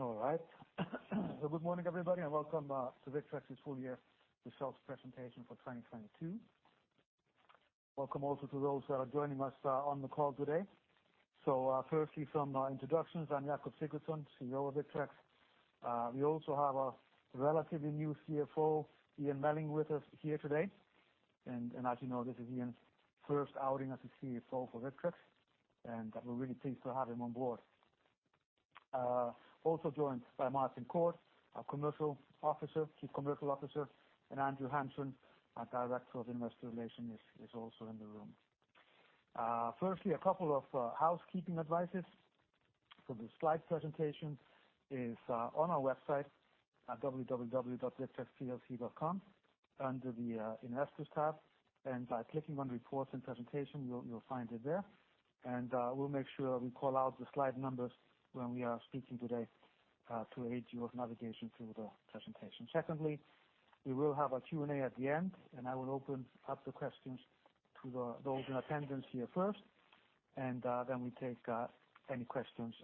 All right. Good morning, everybody, and welcome to Victrex's full year results presentation for 2022. Welcome also to those that are joining us on the call today. Firstly, some introductions. I'm Jakob Sigurðsson, CEO of Victrex. We also have our relatively new CFO, Ian Melling, with us here today. As you know, this is Ian's first outing as the CFO for Victrex, and we're really pleased to have him on board. Also joined by Martin Court, our Chief Commercial Officer, and Andrew Hanson, our Director of Investor Relations, is also in the room. Firstly, a couple of housekeeping advices. The slide presentation is on our website at www.victrexplc.com under the Investors tab. By clicking on Reports and Presentation, you'll find it there. We'll make sure we call out the slide numbers when we are speaking today to aid your navigation through the presentation. Secondly, we will have a Q&A at the end. I will open up the questions to those in attendance here first, and then we take any questions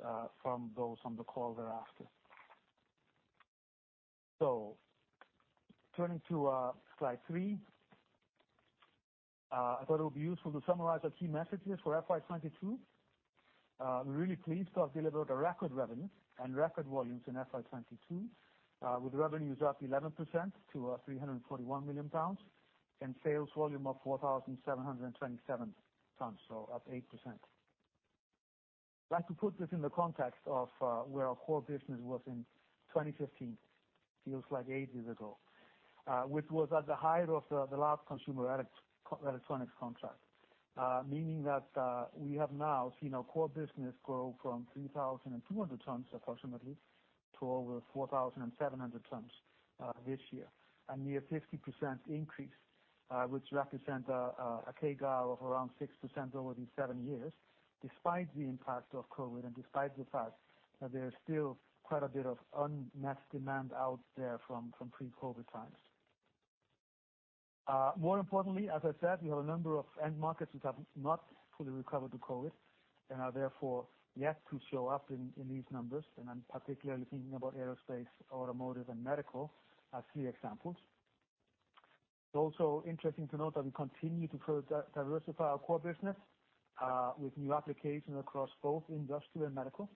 from those on the call thereafter. So turning to slide three, I thought it would be useful to summarize our key messages for FY 2022. We are really pleased to have delivered a record revenue and record volumes in FY 2022, with revenues up 11% to 341 million pounds and sales volume of 4,727 tons, so up 8%. I like to put this in the context of where our core business was in 2015. Feels like ages ago, which was at the height of the last consumer electronics contract, meaning that we have now seen our core business grow from 3,200 tons approximately to over 4,700 tons this year. A near 50% increase, which represents a CAGR of around 6% over these seven years, despite the impact of COVID and despite the fact that there's still quite a bit of unmet demand out there from pre-COVID times. More importantly, as I said, we have a number of end markets which have not fully recovered to COVID, and are therefore yet to show up in these numbers, and I'm particularly thinking about aerospace, automotive, and medical as three examples. It's also interesting to note that we continue to diversify our core business with new applications across both industrial and medical.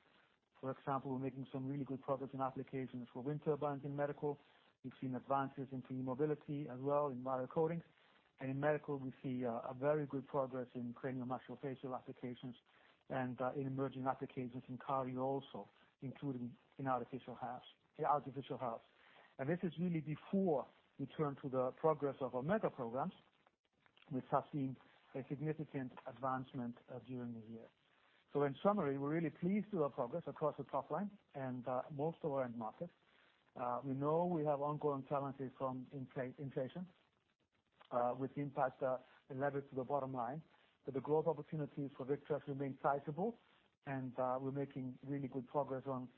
For example, we're making some really good progress in applications for wind turbines in medical. We've seen advances into e-mobility as well in wire coatings. In medical, we see a very good progress in craniomaxillofacial applications and in emerging applications in cardio also, including in artificial hearts. This is really before we turn to the progress of our mega-programs which have seen a significant advancement during the year. In summary, we're really pleased with our progress across the top line and most of our end markets. We know we have ongoing challenges from inflation, with the impact levered to the bottom line. The growth opportunities for Victrex remain sizable, and we're making really good progress on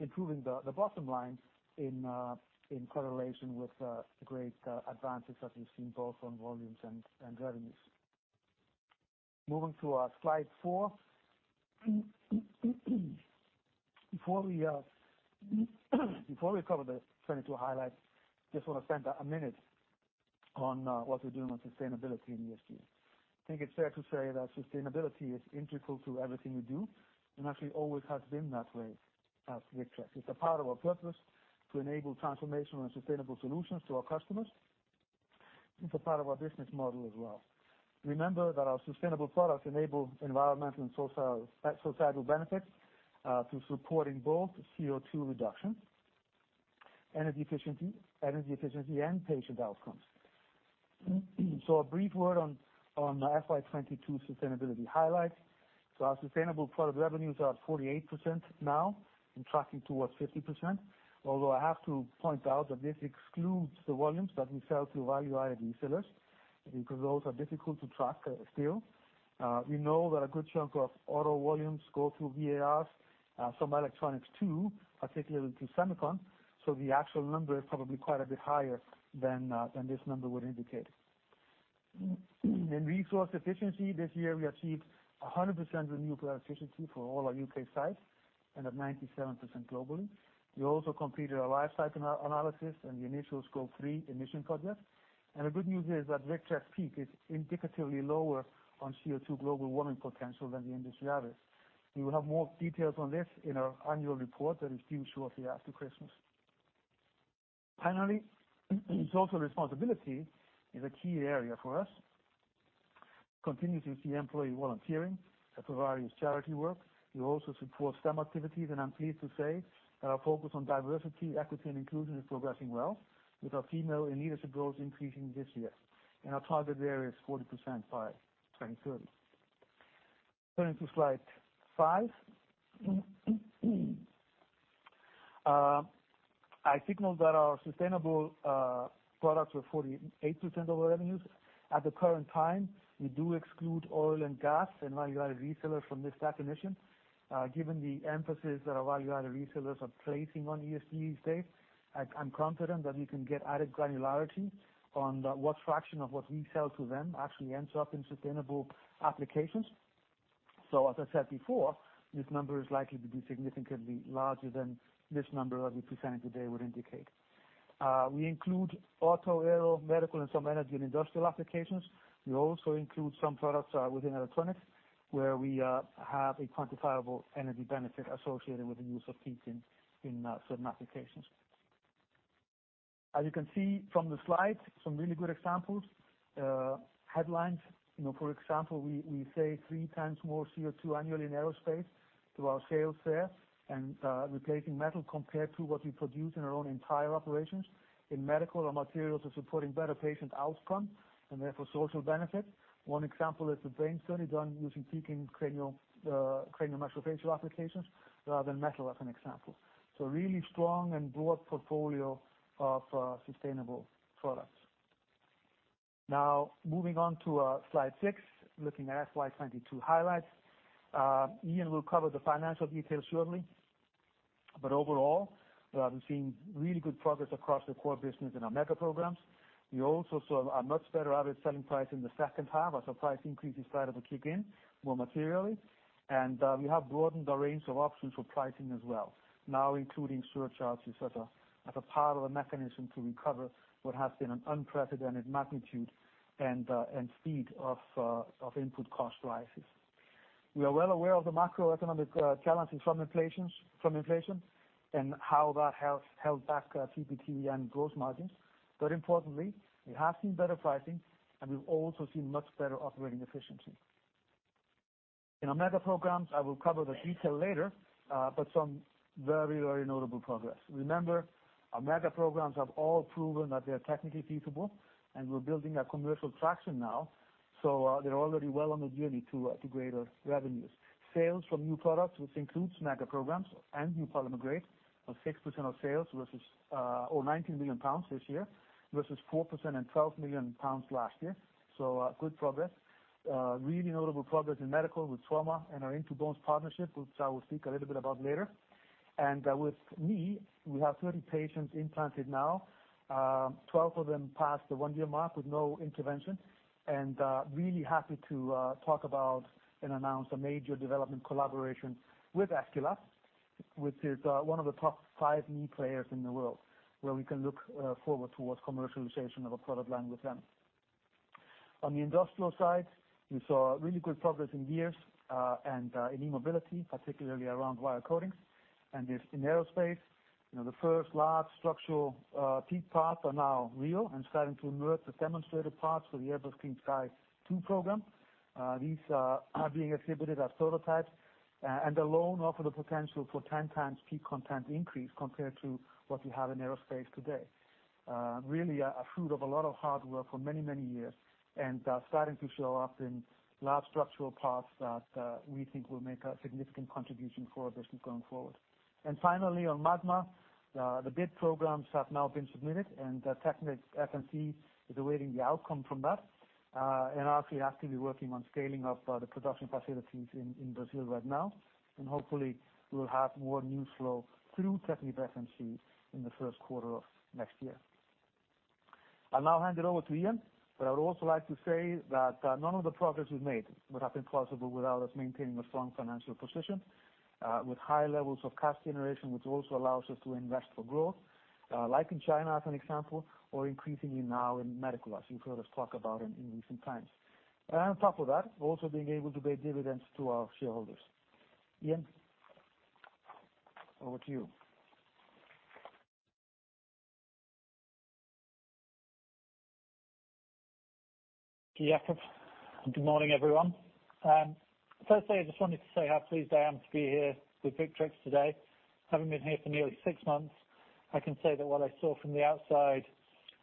improving the bottom line in correlation with the great advances that we've seen both on volumes and revenues. Moving to slide four. Before we cover the 2022 highlights, just want to spend a minute on what we're doing on sustainability in ESG. I think it's fair to say that sustainability is integral to everything we do and actually always has been that way at Victrex. It's a part of our purpose to enable transformational and sustainable solutions to our customers. It's a part of our business model as well. Remember that our sustainable products enable environmental and social societal benefits through supporting both CO2 reductions, energy efficiency, and patient outcomes. A brief word on FY 2022 sustainability highlights. Our sustainable product revenues are at 48% now and tracking towards 50%. Although I have to point out that this excludes the volumes that we sell value added resellers because those are difficult to track still. We know that a good chunk of auto volumes go through VARs, some electronics too, particularly to semicon. The actual number is probably quite a bit higher than this number would indicate. In resource efficiency this year, we achieved 100% renewable efficiency for all our U.K. sites and at 97% globally. We also completed a life cycle analysis and the initial Scope 3 emission project. The good news here is that Victrex PEEK is indicatively lower on CO2 global warming potential than the industry average. We will have more details on this in our annual report that is due shortly after Christmas. Finally, social responsibility is a key area for us. Continue to see employee volunteering at various charity work. We also support STEM activities, and I'm pleased to say that our focus on diversity, equity, and inclusion is progressing well with our female in leadership roles increasing this year, and our target there is 40% by 2030. Turning to slide five. I signaled that our sustainable products were 48% of our revenues. At the current time, we do exclude oil and gas value added resellers from this definition. Given the emphasis that value added resellers are placing on ESG these days, I'm confident that we can get added granularity on the what fraction of what we sell to them actually ends up in sustainable applications. As I said before, this number is likely to be significantly larger than this number that we presented today would indicate. We include auto, aero, medical and some energy and industrial applications. We also include some products within electronics where we have a quantifiable energy benefit associated with the use of PEEK in certain applications. As you can see from the slide, some really good examples. Headlines. You know, for example, we save 3x more CO2 annually in aerospace through our sales there and replacing metal compared to what we produce in our own entire operations. In medical our materials are supporting better patient outcome and therefore social benefit. One example is the brain study done using PEEK in cranial, cranio-maxillofacial applications rather than metal, as an example. Really strong and broad portfolio of sustainable products. Moving on to slide six, looking at FY 2022 highlights. Ian Melling will cover the financial details shortly, but overall, we've seen really good progress across the core business in our mega-programme. We also saw a much better average selling price in the second half as our price increases started to kick in more materially. We have broadened the range of options for pricing as well. Including surcharges as a part of a mechanism to recover what has been an unprecedented magnitude and speed of input cost rises. We are well aware of the macroeconomic challenges from inflation and how that has held back EBITDA and gross margins. Importantly, we have seen better pricing and we've also seen much better operating efficiency. In our mega-programs, I will cover the detail later, but some very, very notable progress. Remember, our mega-programs have all proven that they are technically feasible, and we're building a commercial traction now, they're already well on their journey to greater revenues. Sales from new products, which includes mega-programs and new polymer grades, are 6% of sales versus 19 million pounds this year, versus 4% and 12 million pounds last year. Good progress. Really notable progress in medical with trauma and our In2Bones partnership, which I will speak a little bit about later. With knee, we have 30 patients implanted now, 12 of them past the one-year mark with no intervention. Really happy to talk about and announce a major development collaboration with Aesculap, which is one of the top five knee players in the world, where we can look forward towards commercialization of a product line with them. On the industrial side, we saw really good progress in gears and in e-mobility, particularly around wire coatings. In aerospace, you know, the first large structural PEEK parts are now real and starting to emerge the demonstrated parts for the Airbus Clean Sky 2 program. These are being exhibited as prototypes, and alone offer the potential for 10x PEEK content increase compared to what we have in aerospace today. Really a fruit of a lot of hard work for many, many years, starting to show up in large structural parts that we think will make a significant contribution for our business going forward. Finally on Magma, the bid programs have now been submitted, and TechnipFMC is awaiting the outcome from that and are actually actively working on scaling up the production facilities in Brazil right now. Hopefully we will have more news flow through TechnipFMC in the first quarter of next year. I'll now hand it over to Ian, but I would also like to say that, none of the progress we've made would have been possible without us maintaining a strong financial position, with high levels of cash generation, which also allows us to invest for growth, like in China as an example, or increasingly now in medical, as you've heard us talk about in recent times. On top of that, also being able to pay dividends to our shareholders. Ian, over to you. Thank you, Jakob. Good morning, everyone. Firstly, I just wanted to say how pleased I am to be here with Victrex today. Having been here for nearly six months, I can say that what I saw from the outside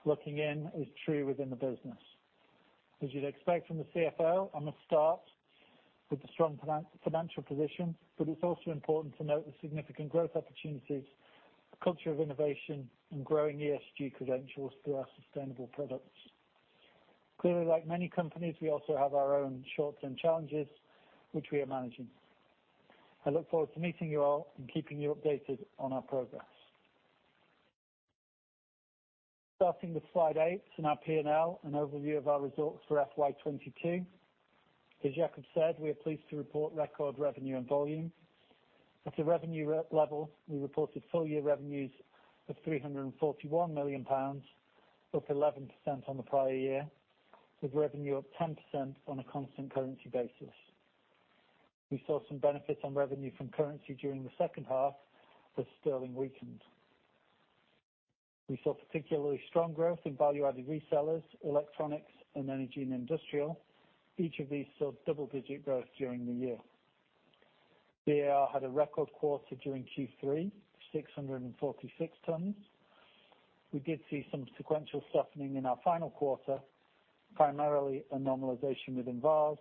looking in is true within the business. As you'd expect from the CFO, I'm gonna start with the strong financial position, It's also important to note the significant growth opportunities, the culture of innovation and growing ESG credentials through our sustainable products. Clearly, like many companies, we also have our own shorts and challenges which we are managing. I look forward to meeting you all and keeping you updated on our progress. Starting with slide eight and our P&L, an overview of our results for FY 2022. As Jakob said, we are pleased to report record revenue and volume. At the revenue level, we reported full-year revenues of 341 million pounds, up 11% on the prior year, with revenue up 10% on a constant currency basis. We saw some benefits on revenue from currency during the second half as sterling weakened. We saw particularly strong growth value added resellers, electronics and energy and industrial. Each of these saw double-digit growth during the year. VAR had a record quarter during Q3, 646 tons. We did see some sequential softening in our final quarter, primarily a normalization within VARs,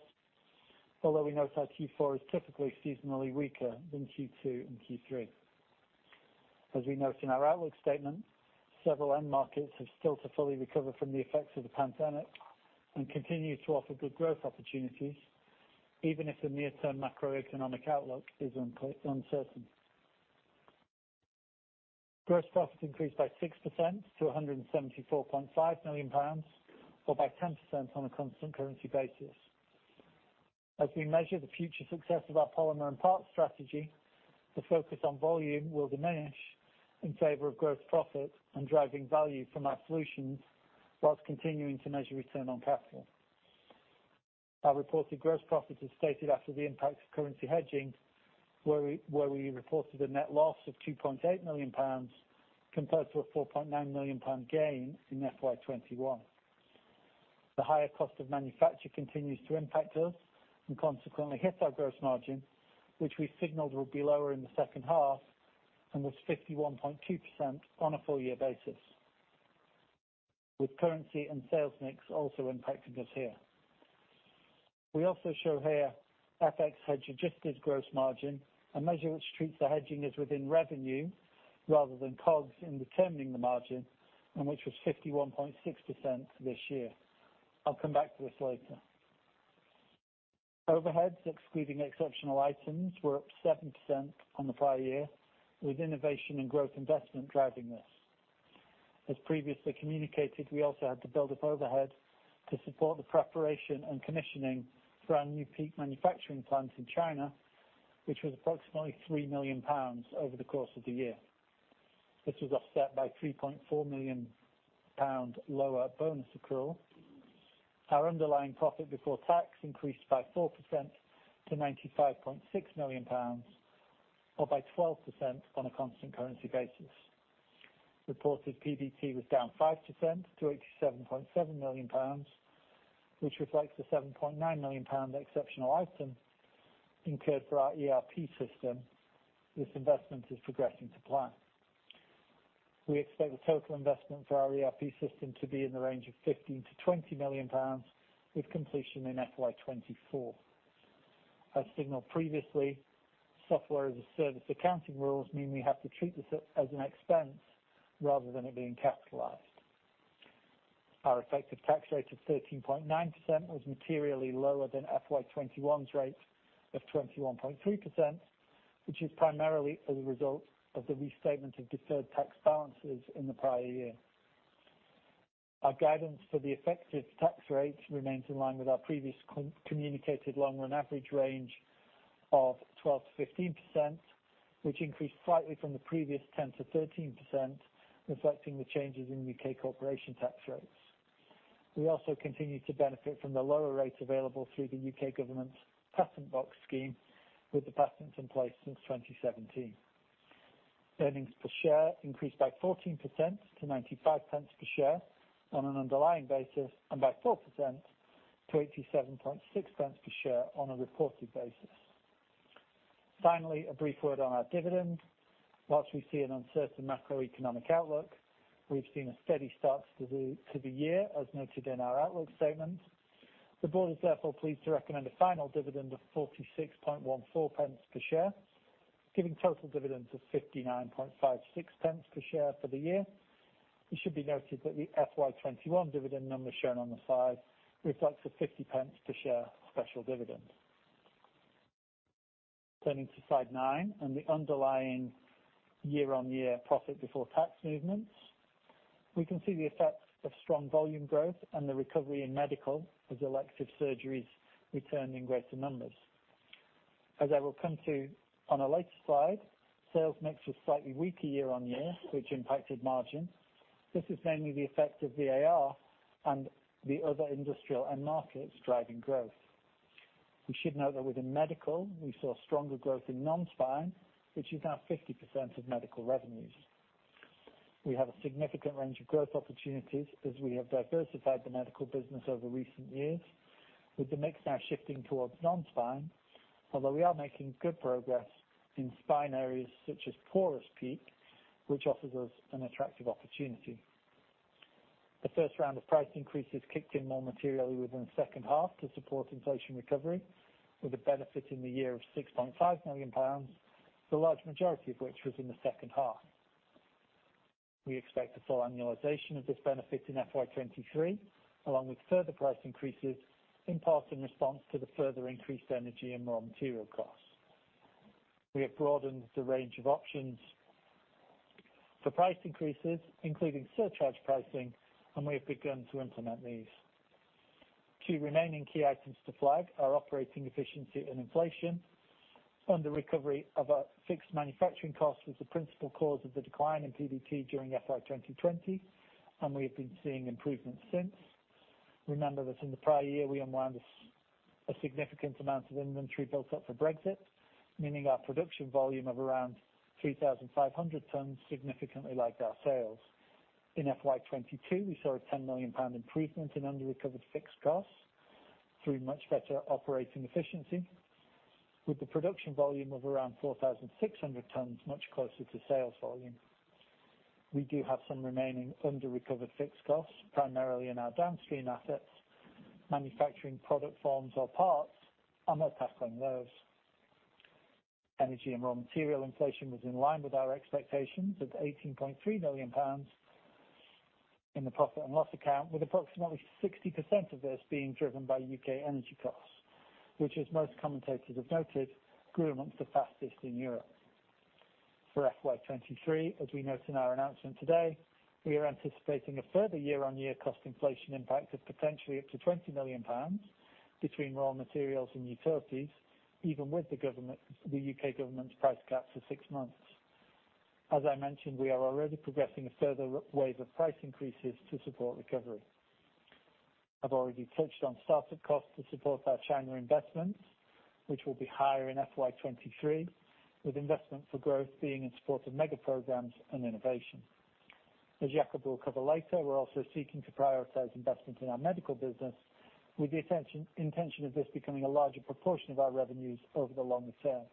although we note our Q4 is typically seasonally weaker than Q2 and Q3. As we note in our outlook statement, several end markets have still to fully recover from the effects of the pandemic and continue to offer good growth opportunities, even if the near-term macroeconomic outlook is uncertain. Gross profit increased by 6% to 174.5 million pounds, or by 10% on a constant currency basis. As we measure the future success of our polymer and parts strategy, the focus on volume will diminish in favor of gross profit and driving value from our solutions, while continuing to measure return on capital. Our reported gross profit is stated after the impact of currency hedging, where we reported a net loss of 2.8 million pounds compared to a 4.9 million pound gain in FY 2021. The higher cost of manufacture continues to impact us and consequently hit our gross margin, which we signaled will be lower in the second half and was 51.2% on a full year basis. Currency and sales mix also impacting us here. We also show here FX hedge adjusted gross margin, a measure which treats the hedging as within revenue rather than COGS in determining the margin and which was 51.6% this year. I'll come back to this later. Overheads, excluding exceptional items, were up 7% on the prior year, with innovation and growth investment driving this. As previously communicated, we also had to build up overhead to support the preparation and commissioning for our new PEEK manufacturing plant in China, which was approximately 3 million pounds over the course of the year. This was offset by 3.4 million pound lower bonus accrual. Our underlying profit before tax increased by 4% to 95.6 million pounds, or by 12% on a constant currency basis. Reported PBT was down 5% to 87.7 million pounds, which reflects the 7.9 million pound exceptional item incurred for our ERP system. This investment is progressing to plan. We expect the total investment for our ERP system to be in the range of 15 million-20 million pounds, with completion in FY 2024. As signaled previously, Software as a Service accounting rules mean we have to treat this as an expense rather than it being capitalized. Our effective tax rate of 13.9% was materially lower than FY 2021's rate of 21.3%, which is primarily as a result of the restatement of deferred tax balances in the prior year. Our guidance for the effective tax rate remains in line with our previous communicated long run average range of 12%-15%, which increased slightly from the previous 10%-13%, reflecting the changes in U.K. corporation tax rates. We also continue to benefit from the lower rates available through the U.K. government's Patent Box scheme with the patents in place since 2017. Earnings per share increased by 14% to 0.95 per share on an underlying basis, and by 4% to 0.876 per share on a reported basis. Finally, a brief word on our dividend. Whilst we see an uncertain macroeconomic outlook, we've seen a steady start to the year, as noted in our outlook statement. The board is therefore pleased to recommend a final dividend of 0.4614 per share, giving total dividends of 0.5956 per share for the year. It should be noted that the FY 2021 dividend number shown on the slide reflects a 0.50 per share special dividend. Turning to slide nine and the underlying year-on-year profit before tax movements. We can see the effects of strong volume growth and the recovery in medical as elective surgeries return in greater numbers. As I will come to on a later slide, sales mix was slightly weaker year-on-year, which impacted margins. This is mainly the effect of VAR and the other industrial end markets driving growth. We should note that within medical we saw stronger growth in non-spine, which is now 50% of medical revenues. We have a significant range of growth opportunities as we have diversified the medical business over recent years, with the mix now shifting towards non-spine, although we are making good progress in spine areas such as Porous PEEK, which offers us an attractive opportunity. The first round of price increases kicked in more materially within the second half to support inflation recovery, with a benefit in the year of 6.5 million pounds, the large majority of which was in the second half. We expect a full annualization of this benefit in FY 2023, along with further price increases, in part in response to the further increased energy and raw material costs. We have broadened the range of options for price increases, including surcharge pricing, and we have begun to implement these. Two remaining key items to flag are operating efficiency and inflation. Under recovery of our fixed manufacturing costs was the principal cause of the decline in PBT during FY 2020, and we have been seeing improvements since. Remember that in the prior year we unwound a significant amount of inventory built up for Brexit, meaning our production volume of around 3,500 tons significantly lagged our sales. In FY 2022, we saw a 10 million pound improvement in under recovered fixed costs through much better operating efficiency, with the production volume of around 4,600 tons much closer to sales volume. We do have some remaining under recovered fixed costs, primarily in our downstream assets, manufacturing product forms or parts, and are tackling those. Energy and raw material inflation was in line with our expectations of 18.3 million pounds in the profit and loss account, with approximately 60% of this being driven by U.K. energy costs, which as most commentators have noted, grew amongst the fastest in Europe. For FY 2023, as we note in our announcement today, we are anticipating a further year-on-year cost inflation impact of potentially up to 20 million pounds between raw materials and utilities, even with the government, the U.K. government's price cap for six months. As I mentioned, we are already progressing a further wave of price increases to support recovery. I've already touched on startup costs to support our China investments, which will be higher in FY 2023, with investment for growth being in support of mega-programs and innovation. As Jakob will cover later, we're also seeking to prioritize investments in our medical business, with the intention of this becoming a larger proportion of our revenues over the longer term.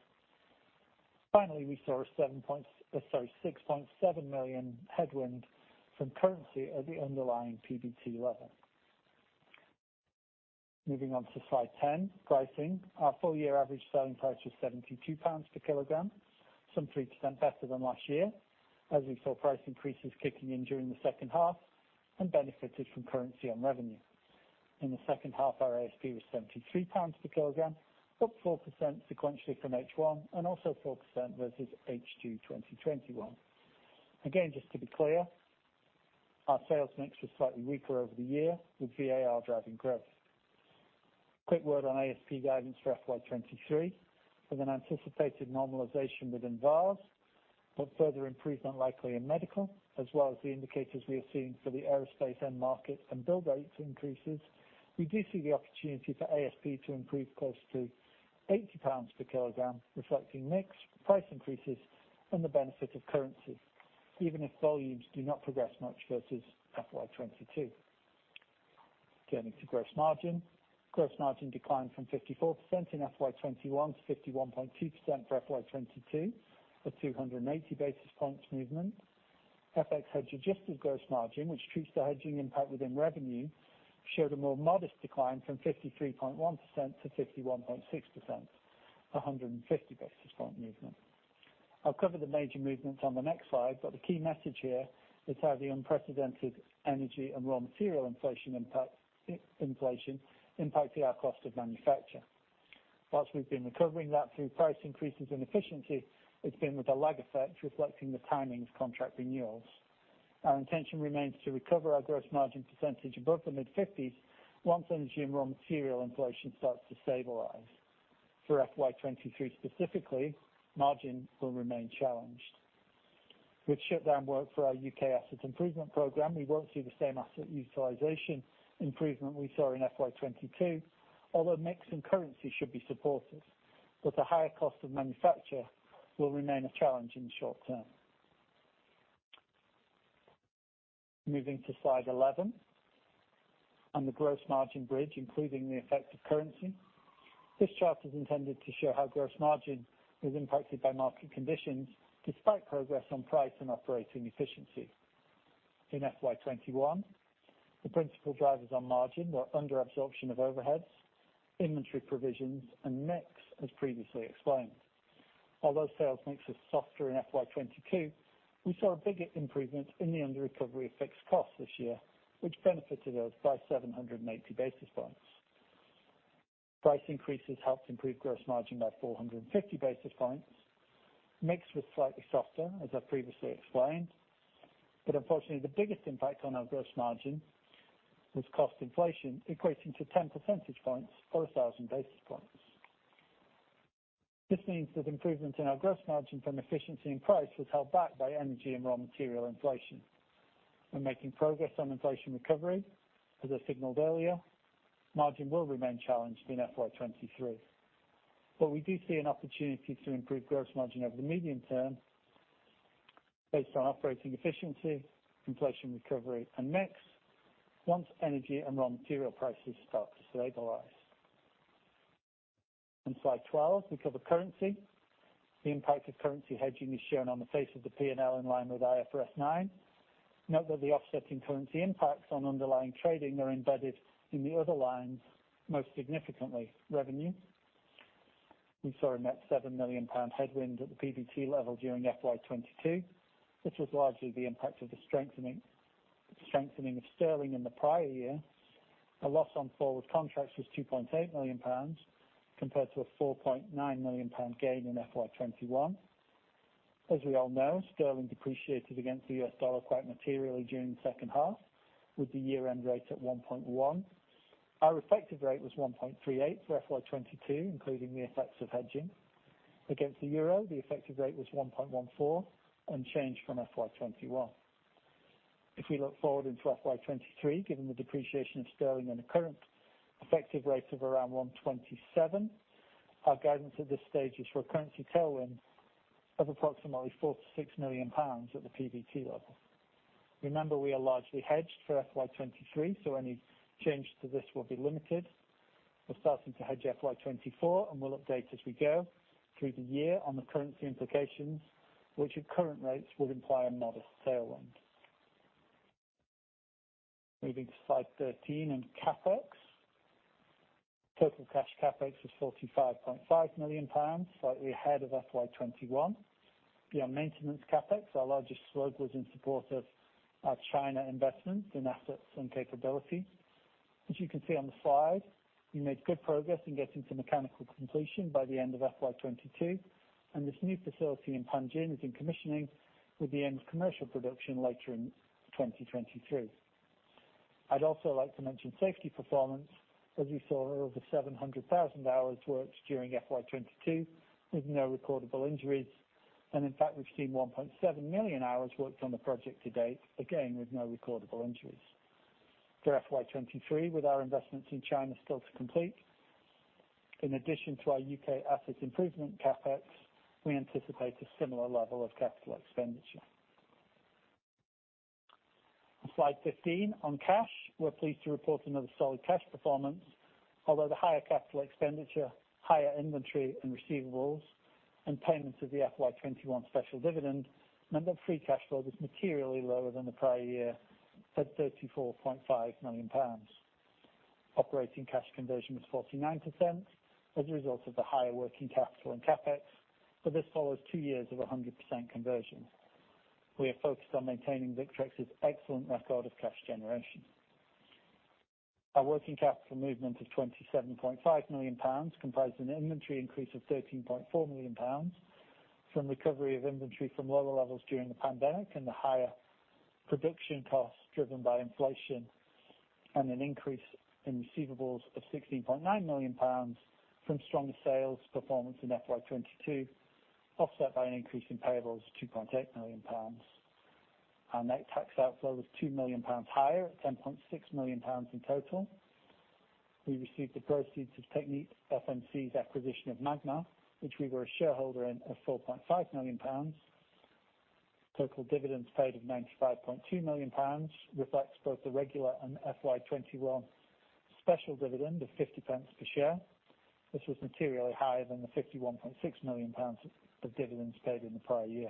We saw 6.7 million headwind from currency at the underlying PBT level. Moving on to slide 10, pricing. Our full year average selling price was GBP 72 per kg, some 3% better than last year as we saw price increases kicking in during H2 and benefited from currency on revenue. In H2, our ASP was 73 pounds per kg, up 4% sequentially from H1 and also 4% versus H2 2021. Just to be clear, our sales mix was slightly weaker over the year with VAR driving growth. Quick word on ASP guidance for FY 2023. With an anticipated normalization within valves, but further improvement likely in medical, as well as the indicators we are seeing for the aerospace end market and build rates increases, we do see the opportunity for ASP to improve close to 80 pounds per kg, reflecting mix, price increases and the benefit of currency, even if volumes do not progress much versus FY 2022. Getting to gross margin. Gross margin declined from 54% in FY 2021 to 51.2% for FY 2022, a 280 basis points movement. FX hedge adjusted gross margin, which treats the hedging impact within revenue, showed a more modest decline from 53.1% to 51.6%, a 150 basis point movement. I'll cover the major movements on the next slide, but the key message here is how the unprecedented energy and raw material inflation impacted our cost of manufacture. We've been recovering that through price increases and efficiency, it's been with a lag effect reflecting the timing of contract renewals. Our intention remains to recover our gross margin percentage above the mid-50s once energy and raw material inflation starts to stabilize. For FY 2023 specifically, margin will remain challenged. With shutdown work for our U.K. asset improvement program, we won't see the same asset utilization improvement we saw in FY 2022, although mix and currency should be supportive, the higher cost of manufacture will remain a challenge in the short term. Moving to slide 11 on the gross margin bridge, including the effect of currency. This chart is intended to show how gross margin is impacted by market conditions despite progress on price and operating efficiency. In FY 2021, the principal drivers on margin were under absorption of overheads, inventory provisions and mix, as previously explained. Although sales mix was softer in FY 2022, we saw a bigger improvement in the under recovery of fixed costs this year, which benefited us by 780 basis points. Price increases helped improve gross margin by 450 basis points. Mix was slightly softer, as I previously explained, but unfortunately the biggest impact on our gross margin was cost inflation equating to 10 percentage points or 1,000 basis points. This means that improvement in our gross margin from efficiency and price was held back by energy and raw material inflation. We're making progress on inflation recovery. As I signaled earlier, margin will remain challenged in FY 2023. We do see an opportunity to improve gross margin over the medium term based on operating efficiency, inflation recovery, and mix once energy and raw material prices start to stabilize. On slide 12, we cover currency. The impact of currency hedging is shown on the face of the P&L in line with IFRS 9. Note that the offsetting currency impacts on underlying trading are embedded in the other lines, most significantly revenue. We saw a net 7 million pound headwind at the PBT level during FY 2022, which was largely the impact of the strengthening of sterling in the prior year. A loss on forward contracts was 2.8 million pounds compared to a 4.9 million pound gain in FY 2021. Sterling depreciated against the U.S. dollar quite materially during the second half with the year-end rate at 1.1. Our effective rate was 1.38 for FY 2022, including the effects of hedging. Against the Euro, the effective rate was 1.14, unchanged from FY 2021. We look forward into FY 2023, given the depreciation of Sterling and the current effective rate of around 1.27, our guidance at this stage is for a currency tailwind of approximately 4 million-6 million pounds at the PBT level. We are largely hedged for FY 2023, any change to this will be limited. We're starting to hedge FY 2024, we'll update as we go through the year on the currency implications which at current rates will imply a modest tailwind. Moving to slide 13 on CapEx. Total cash CapEx was 45.5 million pounds, slightly ahead of FY 2021. Beyond maintenance CapEx, our largest slug was in support of our China investments in assets and capability. As you can see on the slide, we made good progress in getting to mechanical completion by the end of FY 2022, and this new facility in Panjin is in commissioning with the end of commercial production later in 2023. I'd also like to mention safety performance, as we saw over 700,000 hours worked during FY 2022 with no recordable injuries. In fact, we've seen 1.7 million hours worked on the project to date, again, with no recordable injuries. For FY 2023, with our investments in China still to complete, in addition to our U.K. asset improvement CapEx, we anticipate a similar level of capital expenditure. On slide 15, on cash, we're pleased to report another solid cash performance. Although the higher capital expenditure, higher inventory and receivables, and payments of the FY 2021 special dividend meant that free cash flow was materially lower than the prior year at 34.5 million pounds. Operating cash conversion was 49% as a result of the higher working capital and CapEx. This follows two years of 100% conversion. We are focused on maintaining Victrex's excellent record of cash generation. Our working capital movement of 27.5 million pounds comprised an inventory increase of 13.4 million pounds from recovery of inventory from lower levels during the pandemic and the higher production costs driven by inflation and an increase in receivables of 16.9 million pounds from stronger sales performance in FY 2022, offset by an increase in payables, 2.8 million pounds. Our net tax outflow was 2 million pounds higher at 10.6 million pounds in total. We received the proceeds of TechnipFMC's acquisition of Magma, which we were a shareholder in, of 4.5 million pounds. Total dividends paid of 95.2 million pounds reflects both the regular and FY 2021 special dividend of 0.50 per share. This was materially higher than the 51.6 million pounds of dividends paid in the prior year.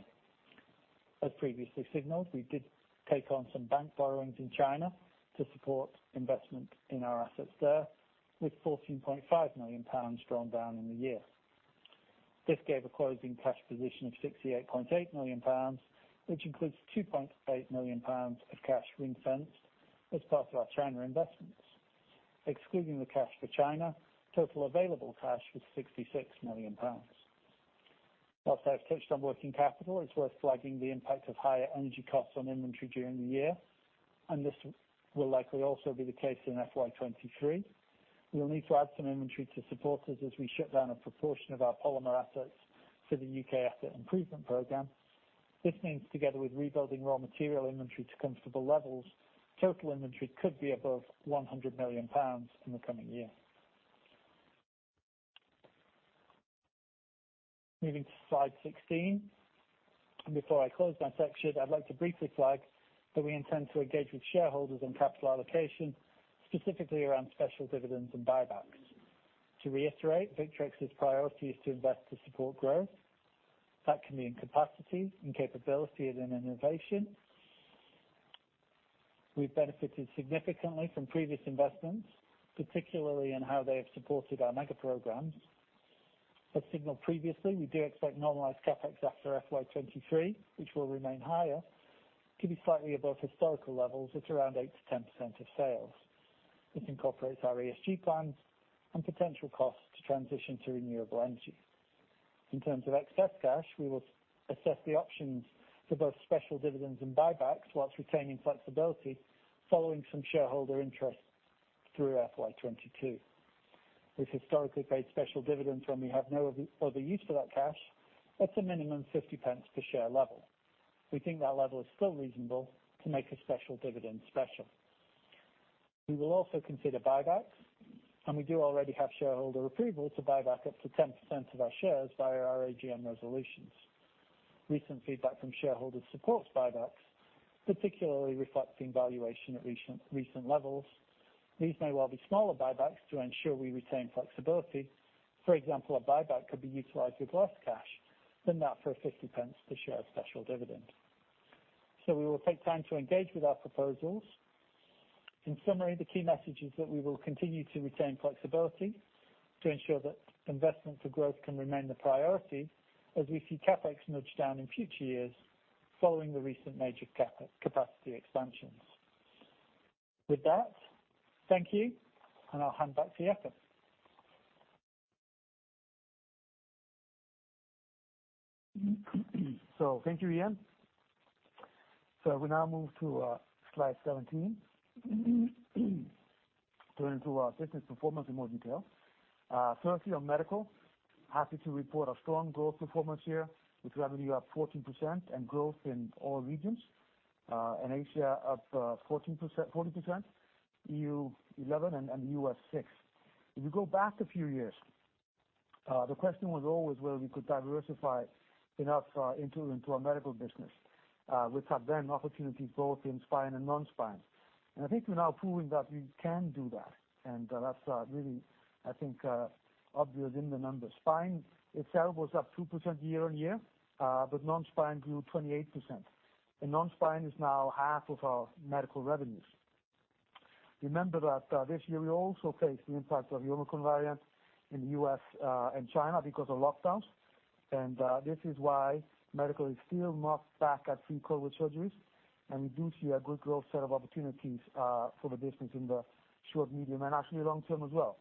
As previously signaled, we did take on some bank borrowings in China to support investment in our assets there, with 14.5 million pounds drawn down in the year. This gave a closing cash position of 68.8 million pounds, which includes 2.8 million pounds of cash ring-fenced as part of our China investments. Excluding the cash for China, total available cash was 66 million pounds. As I've touched on working capital, it's worth flagging the impact of higher energy costs on inventory during the year, and this will likely also be the case in FY 2023. We will need to add some inventory to support us as we shut down a proportion of our polymer assets for the U.K. Asset Improvement Program. This means, together with rebuilding raw material inventory to comfortable levels, total inventory could be above 100 million pounds in the coming year. Moving to slide 16, before I close that section, I'd like to briefly flag that we intend to engage with shareholders on capital allocation, specifically around special dividends and buybacks. To reiterate, Victrex's priority is to invest to support growth. That can be in capacity, in capability, and in innovation. We've benefited significantly from previous investments, particularly in how they have supported our mega-programs. As signaled previously, we do expect normalized CapEx after FY 2023, which will remain higher to be slightly above historical levels at around 8%-10% of sales. This incorporates our ESG plans and potential costs to transition to renewable energy. In terms of excess cash, we will assess the options for both special dividends and buybacks whilst retaining flexibility following some shareholder interest through FY 2022. We've historically paid special dividends when we have no other use for that cash, at the minimum 0.50 per share level. We think that level is still reasonable to make a special dividend special. We will also consider buybacks, and we do already have shareholder approval to buy back up to 10% of our shares via our AGM resolutions. Recent feedback from shareholders supports buybacks, particularly reflecting valuation at recent levels. These may well be smaller buybacks to ensure we retain flexibility. For example, a buyback could be utilized with less cash than that for a 0.50 per share special dividend. We will take time to engage with our proposals. In summary, the key message is that we will continue to retain flexibility to ensure that investment for growth can remain the priority as we see CapEx nudge down in future years following the recent major capacity expansions. With that, thank you, and I'll hand back to Jakob. Thank you, Ian. We now move to slide 17, turning to our business performance in more detail. Firstly on medical, happy to report a strong growth performance here with revenue up 14% and growth in all regions, and Asia up 14%, EU 11% and U.S. 6%. If you go back a few years, the question was always whether we could diversify enough into our medical business, which had then opportunities both in spine and non-spine. I think we're now proving that we can do that, and that's really, I think, obvious in the numbers. Spine itself was up 2% year-on-year, but non-spine grew 28%. Non-spine is now half of our medical revenues. Remember that, this year we also faced the impact of the Omicron variant in the U.S. and China because of lockdowns. This is why medical is still not back at pre-COVID surgeries, and we do see a good growth set of opportunities for the business in the short, medium, and actually long term as well.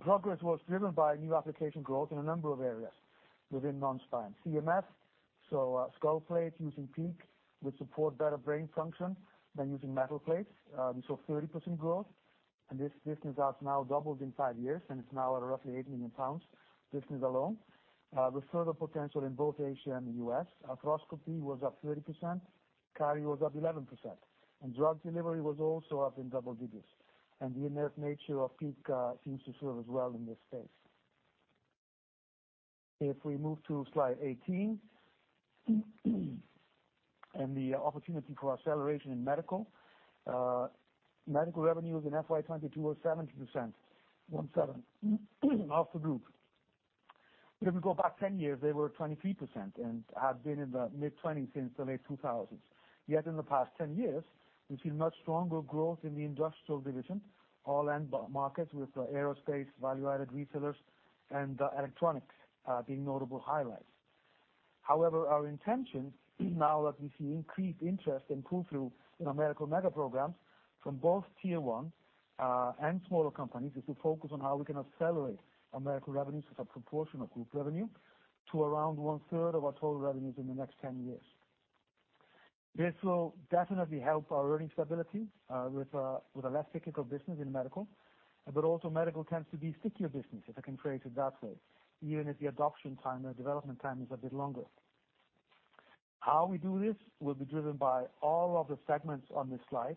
Progress was driven by new application growth in a number of areas within non-spine. CMF, so, skull plates using PEEK, which support better brain function than using metal plates. We saw 30% growth, and this business has now doubled in five years, and it's now at roughly 8 million pounds, this business alone. With further potential in both Asia and the U.S. Arthroscopy was up 30%. Cardio was up 11%. Drug delivery was also up in double digits. The innate nature of PEEK seems to serve as well in this space. If we move to slide 18. The opportunity for acceleration in medical. Medical revenues in FY 2022 were 17%, 17% of the group. If we go back 10 years, they were at 23%, and had been in the mid-20s since the late 2000s. Yet in the past 10 years, we've seen much stronger growth in the industrial division, all end markets with aerospace, value added resellers, and electronics being notable highlights. However, our intention now that we see increased interest and pull-through in our medical mega-programs from both tier one and smaller companies, is to focus on how we can accelerate our medical revenues as a proportion of group revenue to around 1/3 of our total revenues in the next 10 years. This will definitely help our earnings stability with a less cyclical business in medical, but also medical tends to be stickier business, if I can phrase it that way, even if the adoption time or development time is a bit longer. How we do this will be driven by all of the segments on this slide,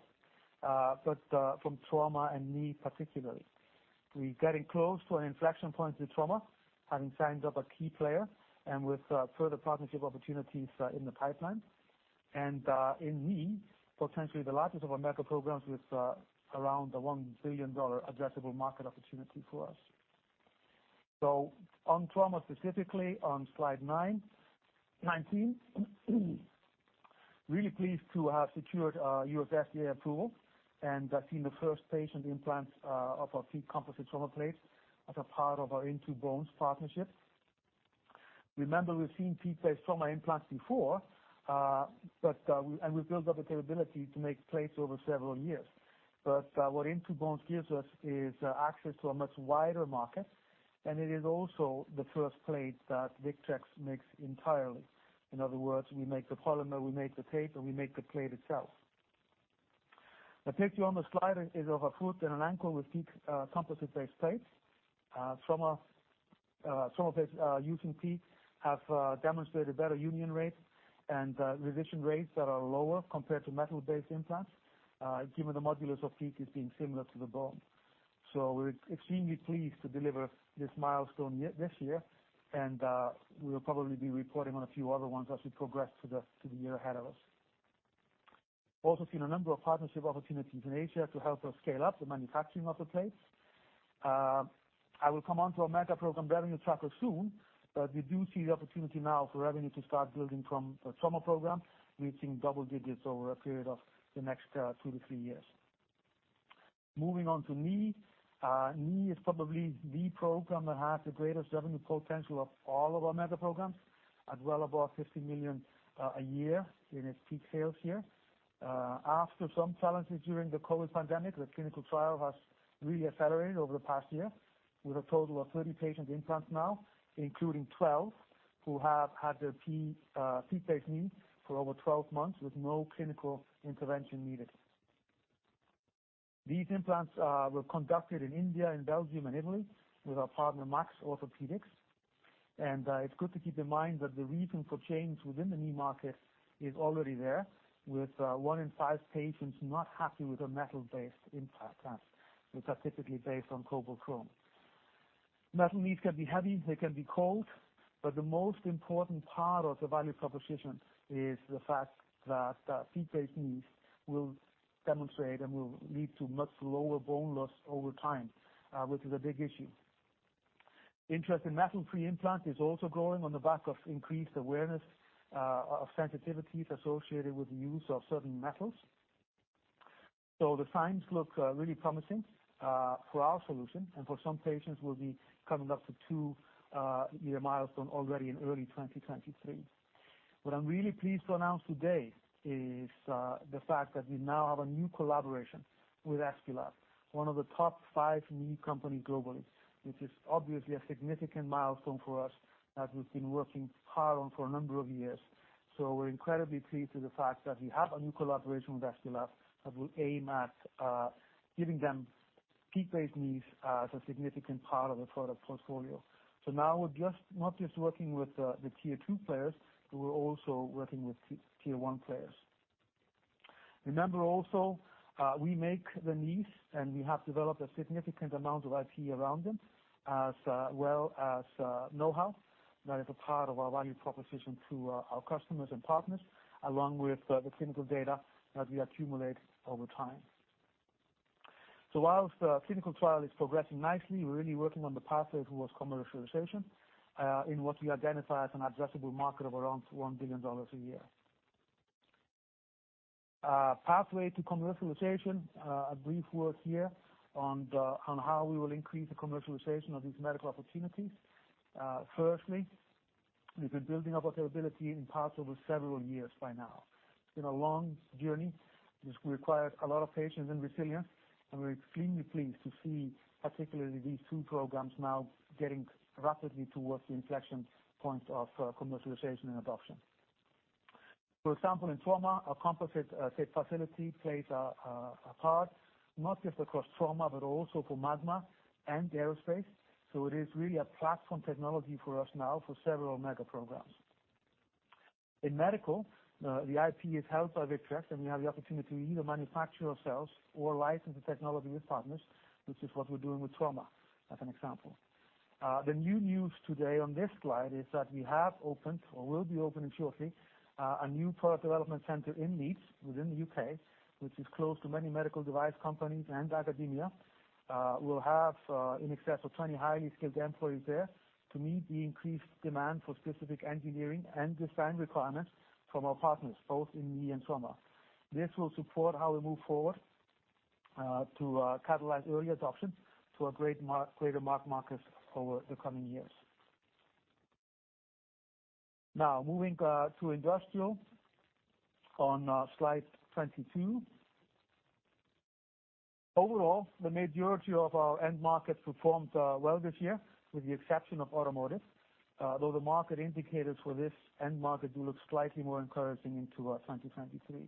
but from trauma and knee particularly. We're getting close to an inflection point in trauma, having signed up a key player, and with further partnership opportunities in the pipeline. In knee, potentially the largest of our medical programs, with around a $1 billion addressable market opportunity for us. On trauma specifically on slide 19. Really pleased to have secured U.S. FDA approval, and seen the first patient implants of our PEEK composite trauma plates as a part of our In2Bones partnership. Remember we've seen PEEK-based trauma implants before, we've built up the capability to make plates over several years. What In2Bones gives us is access to a much wider market, and it is also the first plate that Victrex makes entirely. In other words, we make the polymer, we make the tape, and we make the plate itself. The picture on the slide is of a foot and an ankle with PEEK composite-based plates. Some of these using PEEK have demonstrated better union rates and revision rates that are lower compared to metal-based implants, given the modulus of PEEK as being similar to the bone. We're extremely pleased to deliver this milestone this year, and we'll probably be reporting on a few other ones as we progress to the year ahead of us. Also seen a number of partnership opportunities in Asia to help us scale up the manufacturing of the plates. I will come on to our mega program revenue tracker soon, but we do see the opportunity now for revenue to start building from a trauma program, reaching double digits over a period of the next 2-3 years. Moving on to knee. Knee is probably the program that has the greatest revenue potential of all of our mega-programs, at well above 50 million a year in its peak sales year. After some challenges during the COVID pandemic, the clinical trial has really accelerated over the past year with a total of 30 patient implants now, including 12 who have had their PEEK, PEEK-based knee for over 12 months with no clinical intervention needed. These implants were conducted in India, in Belgium and Italy with our partner Maxx Orthopedics. It's good to keep in mind that the reason for change within the knee market is already there with one in five patients not happy with their metal-based implants, which are typically based on cobalt-chrome. Metal knees can be heavy, they can be cold, the most important part of the value proposition is the fact that PEEK-based knees will demonstrate and will lead to much lower bone loss over time, which is a big issue. Interest in metal-free implant is also growing on the back of increased awareness of sensitivities associated with the use of certain metals. The signs look really promising for our solution and for some patients we'll be coming up to two year milestone already in early 2023. What I'm really pleased to announce today is the fact that we now have a new collaboration with Aesculap, one of the top five knee companies globally, which is obviously a significant milestone for us as we've been working hard on for a number of years. We're incredibly pleased with the fact that we have a new collaboration with Aesculap that will aim at giving them PEEK-based knees as a significant part of their product portfolio. Now we're just, not just working with the tier two players, but we're also working with tier one players. Remember also, we make the knees and we have developed a significant amount of IP around them as well as know-how. That is a part of our value proposition to our customers and partners, along with the clinical data that we accumulate over time. Whilst the clinical trial is progressing nicely, we're really working on the pathway towards commercialization in what we identify as an addressable market of around $1 billion a year. Pathway to commercialization. A brief word here on how we will increase the commercialization of these medical opportunities. Firstly, we've been building up our capability in parts over several years by now. It's been a long journey, which requires a lot of patience and resilience, we're extremely pleased to see particularly these two programs now getting rapidly towards the inflection points of commercialization and adoption. For example, in trauma, our composite tape facility plays a part not just across trauma, but also for Magma and aerospace. It is really a platform technology for us now for several mega-programs. In medical, the IP is held by Victrex, we have the opportunity to either manufacture ourselves or license the technology with partners, which is what we're doing with trauma as an example. The new news today on this slide is that we have opened or will be opening shortly, a new product development center in Leeds within the U.K., which is close to many medical device companies and academia. We'll have in excess of 20 highly skilled employees there to meet the increased demand for specific engineering and design requirements from our partners, both in knee and trauma. This will support how we move forward to catalyze early adoption to a greater market over the coming years. Moving to industrial on slide 22. Overall, the majority of our end markets performed well this year, with the exception of automotive, though the market indicators for this end market do look slightly more encouraging into 2023.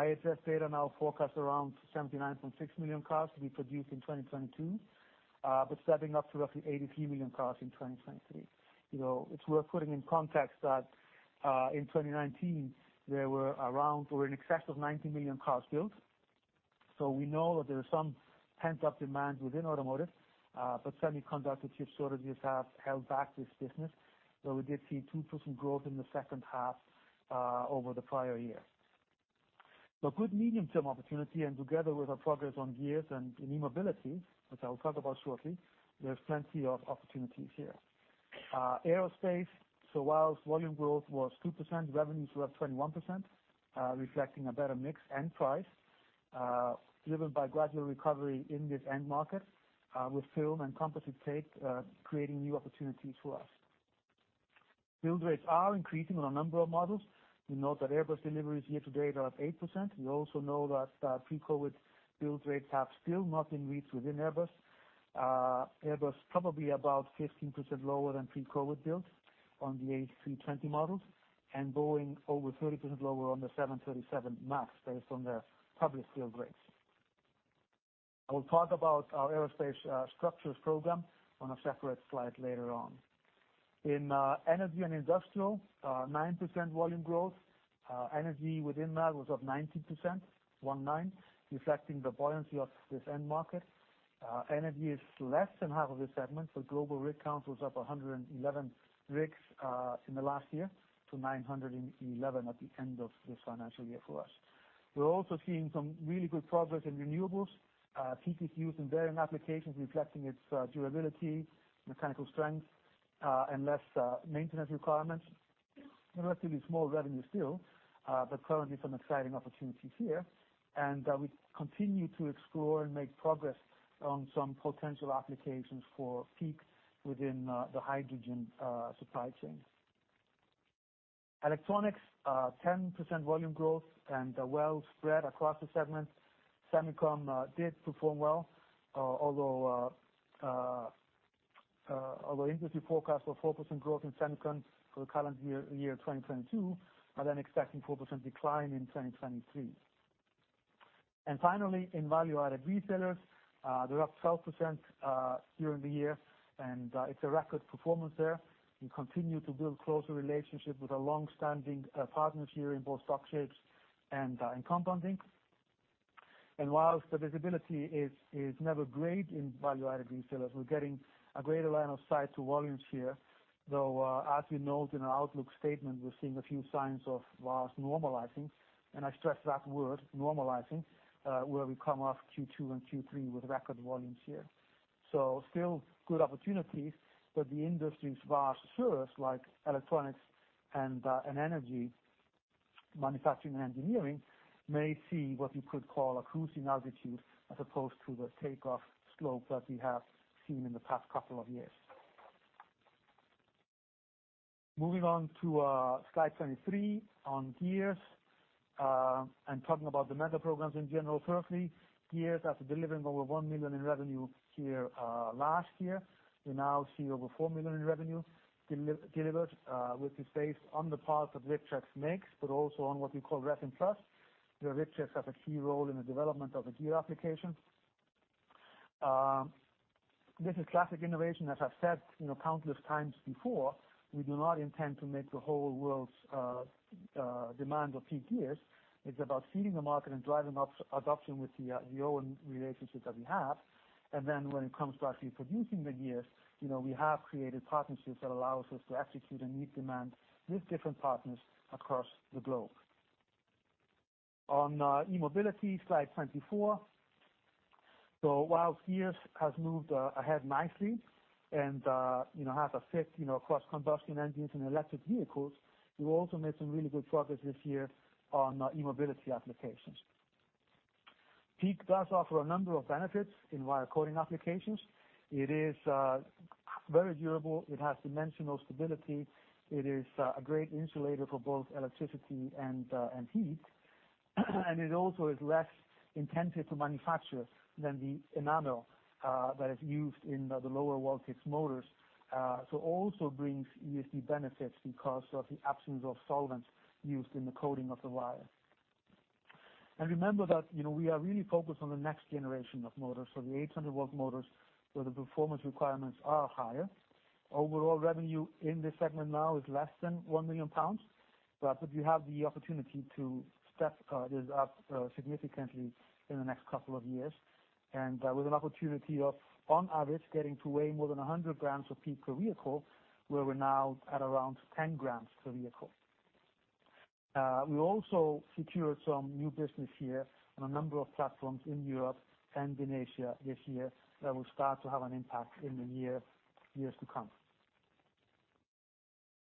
IHS data now forecasts around 79.6 million cars to be produced in 2022, but stepping up to roughly 83 million cars in 2023. You know, it's worth putting in context that in 2019, there were around or in excess of 90 million cars built. We know that there is some pent-up demand within automotive, but semiconductor chip shortages have held back this business. We did see 2% growth in the second half over the prior year. Good medium-term opportunity, and together with our progress on gears and in e-mobility, which I will talk about shortly, there's plenty of opportunities here. Aerospace, whilst volume growth was 2%, revenues were up 21%, reflecting a better mix and price, driven by gradual recovery in this end market, with film and composite tape, creating new opportunities for us. Build rates are increasing on a number of models. We know that Airbus deliveries year to date are up 8%. We also know that pre-COVID build rates have still not been reached within Airbus. Airbus probably about 15% lower than pre-COVID builds on the A320 models and Boeing over 30% lower on the 737 MAX based on their published build rates. I will talk about our aerospace structures program on a separate slide later on. Energy and industrial, 9% volume growth. Energy within that was up 19%, one-nine, reflecting the buoyancy of this end market. Energy is less than half of this segment. Global Rig Count was up 111 rigs in the last year to 911 at the end of this financial year for us. We're also seeing some really good progress in renewables, TPQs used in varying applications reflecting its durability, mechanical strength, and less maintenance requirements. Relatively small revenue still. Currently some exciting opportunities here. We continue to explore and make progress on some potential applications for PEEK within the hydrogen supply chain. Electronics, 10% volume growth and well spread across the segment. Semicon did perform well, although industry forecasts of 4% growth in semicon for the current year, 2022, are then expecting 4% decline in 2023. Finally, value added resellers, they're up 12% year-on-year, it's a record performance there. We continue to build closer relationship with our long-standing partners here in both substrates and in compounding. Whilst the visibility is never great value added resellers, we're getting a greater line of sight to volumes here. As we noted in our outlook statement, we're seeing a few signs of markets normalizing, and I stress that word, normalizing, where we come off Q2 and Q3 with record volumes here. Still good opportunities, but the industry's vast sectors like electronics and energy, manufacturing and engineering may see what you could call a cruising altitude as opposed to the takeoff slope that we have seen in the past couple of years. Moving on to slide 23 on gears, and talking about the mega-programs in general. Firstly, gears after delivering over 1 million in revenue last year, we now see over 4 million in revenue delivered, which is based on the parts that Victrex makes, but also on what we call resin-plus, where Victrex has a key role in the development of the gear application. This is classic innovation. As I've said, you know, countless times before, we do not intend to make the whole world's demand of PEEK gears. It's about seeding the market and driving up adoption with our own relationships that we have. When it comes to actually producing the gears, you know, we have created partnerships that allows us to execute and meet demand with different partners across the globe. On e-mobility, slide 24. While gears has moved ahead nicely and, you know, has a fit, you know, across combustion engines and electric vehicles, we also made some really good progress this year on our e-mobility applications. PEEK does offer a number of benefits in wire coating applications. It is very durable. It has dimensional stability. It is a great insulator for both electricity and heat. It also is less intensive to manufacture than the enamel that is used in the lower voltage motors. It also brings ESG benefits because of the absence of solvents used in the coating of the wire. Remember that, you know, we are really focused on the next generation of motors. The 800V motors, where the performance requirements are higher. Overall revenue in this segment now is less than 1 million pounds. We do have the opportunity to step this up significantly in the next couple of years. With an opportunity of on average getting to weigh more than 100 g of PEEK per vehicle, where we're now at around 10 g per vehicle. We also secured some new business here on a number of platforms in Europe and in Asia this year that will start to have an impact in the years to come.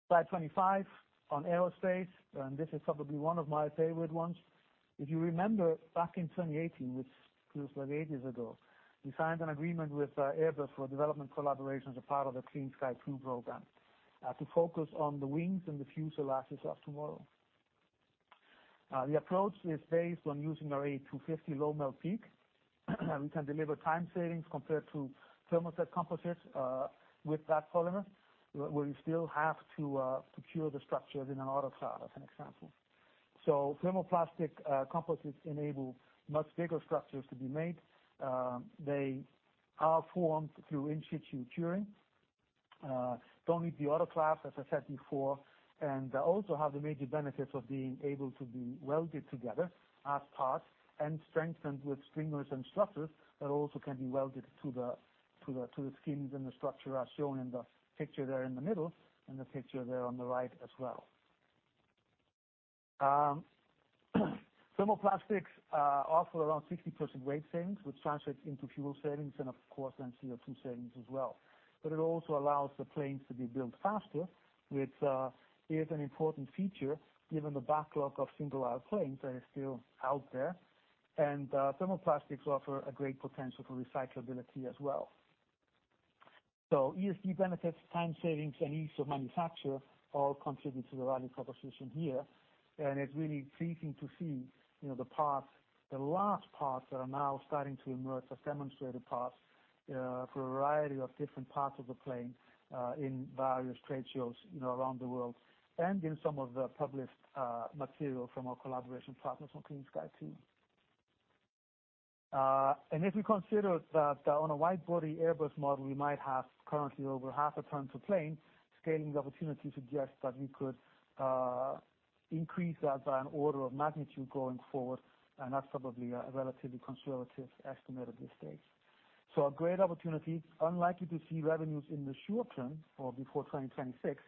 Slide 25 on aerospace, this is probably one of my favorite ones. If you remember back in 2018, which feels like ages ago, we signed an agreement with Airbus for development collaboration as a part of the Clean Sky 2 program to focus on the wings and the fuselages of tomorrow. The approach is based on using our A250 low melt PEEK. We can deliver time savings compared to thermoset composites with that polymer, where you still have to secure the structures in an autoclave, as an example. Thermoplastic composites enable much bigger structures to be made. They are formed through in-situ curing, don't need the autoclaves, as I said before. They also have the major benefits of being able to be welded together as parts and strengthened with stringers and structures that also can be welded to the skins and the structure as shown in the picture there in the middle, and the picture there on the right as well. Thermoplastics offer around 60% weight savings, which translates into fuel savings and of course, then CO2 savings as well. It also allows the planes to be built faster, which is an important feature given the backlog of single-aisle planes that are still out there. Thermoplastics offer a great potential for recyclability as well. ESG benefits, time savings, and ease of manufacture all contribute to the value proposition here. It's really pleasing to see, you know, the parts, the last parts that are now starting to emerge as demonstrated parts for a variety of different parts of the plane in various trade shows, you know, around the world, and in some of the published material from our collaboration partners on Clean Sky 2. If we consider that on a wide-body Airbus model, we might have currently over half a ton per plane, scaling the opportunity suggests that we could increase that by an order of magnitude going forward, and that's probably a relatively conservative estimate at this stage. So a great opportunity, unlikely to see revenues in the short term or before 2026,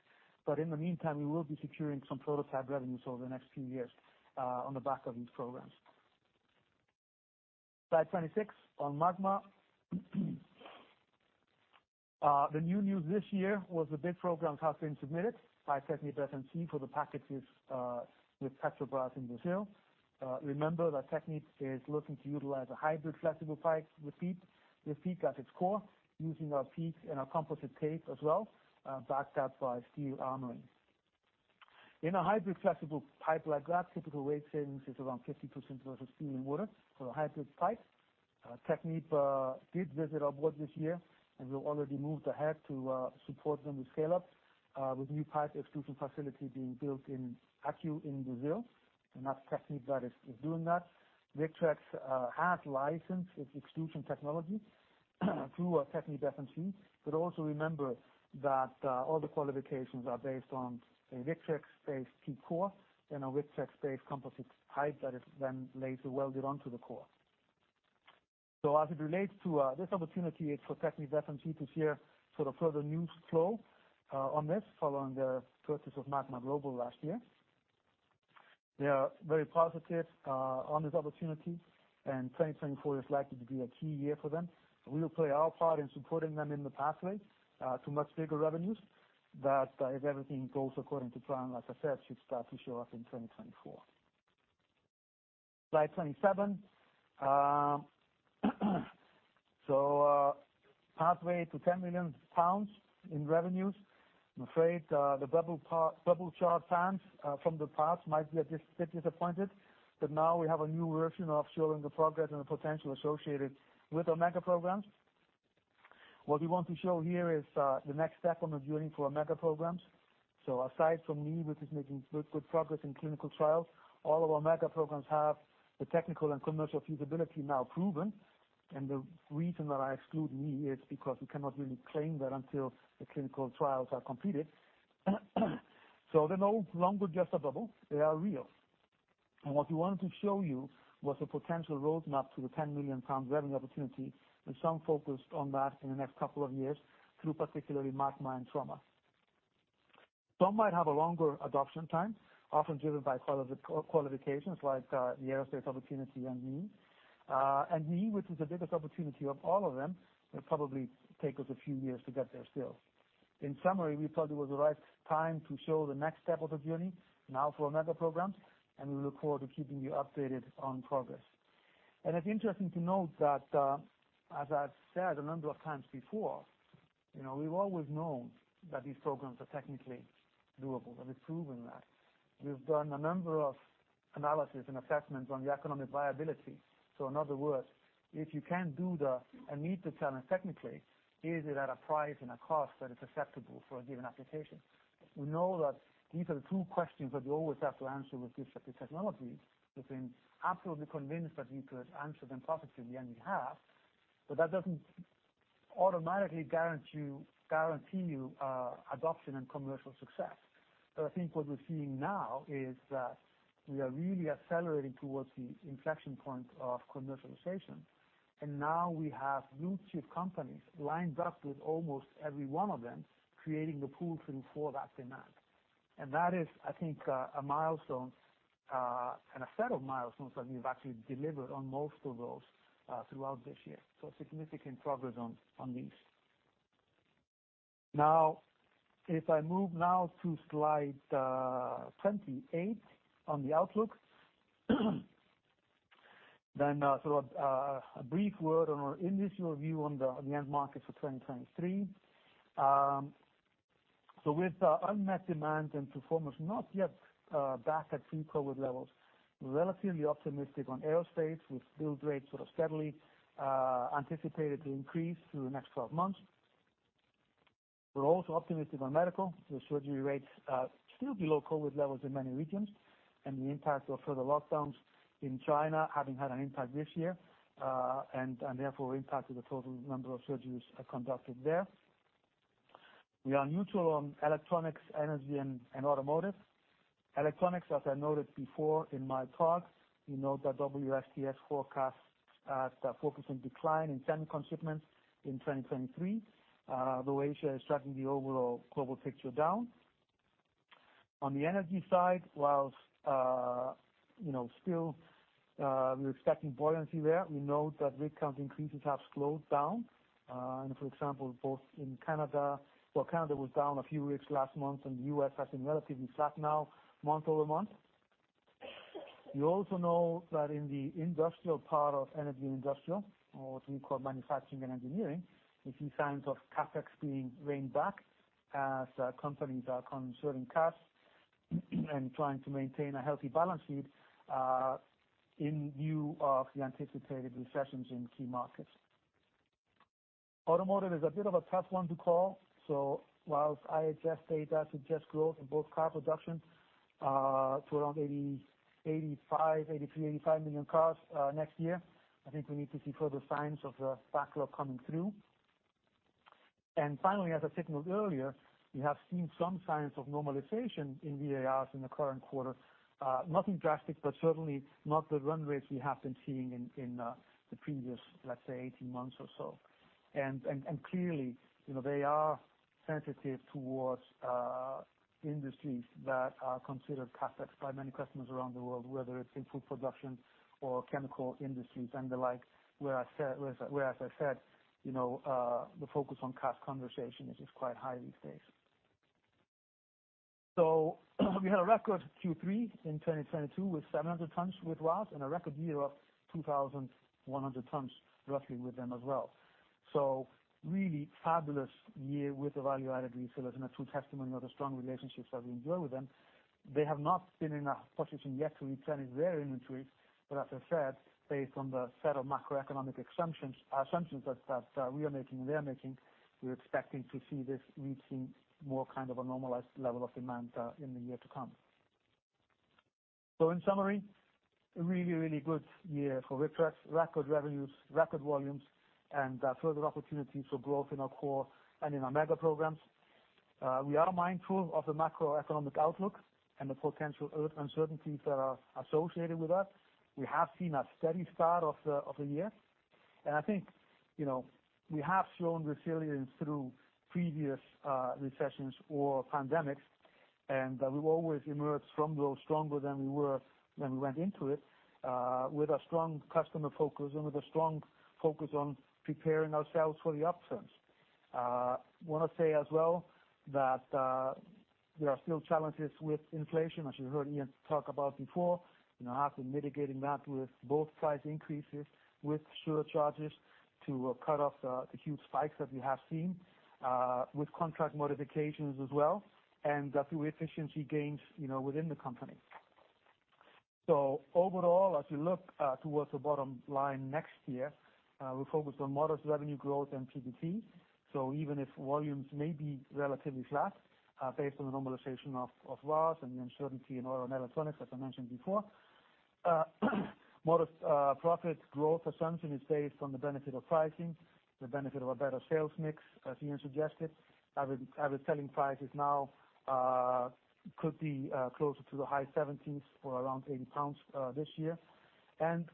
but in the meantime, we will be securing some prototype revenues over the next few years on the back of these programs. Slide 26 on Magma. The new news this year was the bid program has been submitted by TechnipFMC for the packages with Petrobras in Brazil. Remember that Technip is looking to utilize a hybrid flexible pipe with PEEK, with PEEK at its core, using our PEEK in a composite tape as well, backed up by steel armoring. In a hybrid flexible pipe like that, typical weight savings is around 50% versus steel and water for a hybrid pipe. Technip did visit our board this year. We already moved ahead to support them with scale-up with new pipe extrusion facility being built in Açu in Brazil. That's Technip that is doing that. Victrex has licensed its extrusion technology through TechnipFMC. Also remember that all the qualifications are based on a Victrex-based PEEK core and a Victrex-based composites pipe that is then laser welded onto the core. As it relates to this opportunity it's for TechnipFMC to share sort of further news flow on this following the purchase of Magma Global last year. They are very positive on this opportunity, 2024 is likely to be a key year for them. We will play our part in supporting them in the pathway to much bigger revenues. That, if everything goes according to plan, like I said, should start to show up in 2024. Slide 27. Pathway to 10 million pounds in revenues. I'm afraid, the bubble chart fans from the past might be a bit disappointed, now we have a new version of showing the progress and the potential associated with our mega-programs. What we want to show here is the next step on the journey for our mega-programs. Aside from knee, which is making good progress in clinical trials, all of our mega-programs have the technical and commercial feasibility now proven. The reason that I exclude knee is because we cannot really claim that until the clinical trials are completed. They're no longer just a bubble, they are real. What we wanted to show you was the potential roadmap to the 10 million pounds revenue opportunity with some focus on that in the next couple of years through particularly Magma and Trauma. Some might have a longer adoption time, often driven by qualifications like the aerospace opportunity and knee. Knee, which is the biggest opportunity of all of them, will probably take us a few years to get there still. In summary, we thought it was the right time to show the next step of the journey, now for our mega-programs, and we look forward to keeping you updated on progress. It's interesting to note that, as I've said a number of times before, you know, we've always known that these programs are technically doable, and we've proven that. We've done a number of analyses and assessments on the economic viability. In other words, if you can do the a knee replacement technically, is it at a price and a cost that is acceptable for a given application? We know that these are the two questions that we always have to answer with this type of technology. We've been absolutely convinced that we could answer them positively, and we have. That doesn't automatically guarantee you adoption and commercial success. I think what we're seeing now is that we are really accelerating towards the inflection point of commercialization. Now we have blue-chip companies lined up with almost every one of them, creating the pull through for that demand. That is, I think, a milestone and a set of milestones that we've actually delivered on most of those throughout this year. Significant progress on these. If I move now to slide 28 on the outlook, then a brief word on our initial view on the end market for 2023. With unmet demand and performers not yet back at pre-COVID levels, relatively optimistic on aerospace with build rates sort of steadily anticipated to increase through the next 12 months. We're also optimistic on medical, with surgery rates still below COVID levels in many regions and the impact of further lockdowns in China having had an impact this year, and therefore impacted the total number of surgeries conducted there. We are neutral on electronics, energy, and automotive. Electronics, as I noted before in my talk, we note that WSTS forecasts focusing decline in semiconductor shipments in 2023. Though Asia is dragging the overall global picture down. On the energy side, whilst, you know, still, we're expecting buoyancy there, we note that rig count increases have slowed down. For example, Canada was down a few rigs last month, and the U.S. has been relatively flat now month-over-month. You also know that in the industrial part of energy and industrial, or what we call manufacturing and engineering, we see signs of CapEx being reined back as companies are conserving cash and trying to maintain a healthy balance sheet in view of the anticipated recessions in key markets. Whilst IHS data suggests growth in both car production to around 80, 85, 83, 85 million cars next year, I think we need to see further signs of the backlog coming through. Finally, as I signaled earlier, we have seen some signs of normalization in VARs in the current quarter. Nothing drastic, but certainly not the run rates we have been seeing in the previous, let's say, 18 months or so. Clearly, you know, they are sensitive towards industries that are considered CapEx by many customers around the world, whether it's in food production or chemical industries and the like, where as I said, you know, the focus on cash conversation is quite high these days. We had a record Q3 in 2022 with 700 tons with VARs and a record year of 2,100 tons roughly with them as well. Really fabulous year with value added resellers and a true testimony of the strong relationships that we enjoy with them. They have not been in a position yet to return their inventory, but as I said, based on the set of macroeconomic exemptions, assumptions that we are making and they are making, we're expecting to see this reaching more kind of a normalized level of demand in the year to come. In summary, a really, really good year for Victrex. Record revenues, record volumes, and further opportunities for growth in our core and in our mega-programs. We are mindful of the macroeconomic outlook and the potential uncertainties that are associated with that. We have seen a steady start of the year. I think, you know, we have shown resilience through previous recessions or pandemics, and we've always emerged from those stronger than we were when we went into it, with a strong customer focus and with a strong focus on preparing ourselves for the upsurge. Wanna say as well that there are still challenges with inflation, as you heard Ian talk about before. You know, have been mitigating that with both price increases, with surcharges to cut off the huge spikes that we have seen, with contract modifications as well, and through efficiency gains, you know, within the company. Overall, as we look towards the bottom line next year, we're focused on modest revenue growth and PBT. Even if volumes may be relatively flat, based on the normalization of VARs and the uncertainty in oil and electronics, as I mentioned before, Modest profit growth assumption is based on the benefit of pricing, the benefit of a better sales mix, as Ian suggested. Average selling prices now could be closer to the high GBP 70s or around 80 pounds this year.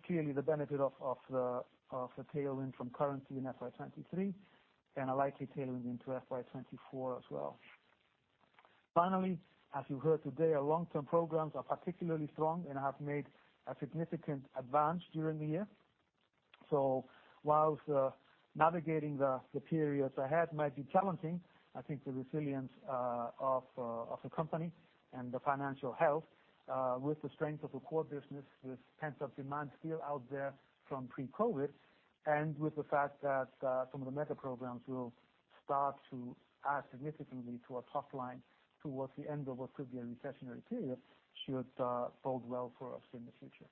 Clearly the benefit of the tailwind from currency in FY 2023 and a likely tailwind into FY 2024 as well. As you heard today, our long-term programs are particularly strong and have made a significant advance during the year. Whilst navigating the periods ahead might be challenging, I think the resilience of the company and the financial health with the strength of the core business, with pent-up demand still out there from pre-COVID, and with the fact that some of the mega-programs will start to add significantly to our top line towards the end of what could be a recessionary period, should bode well for us in the future.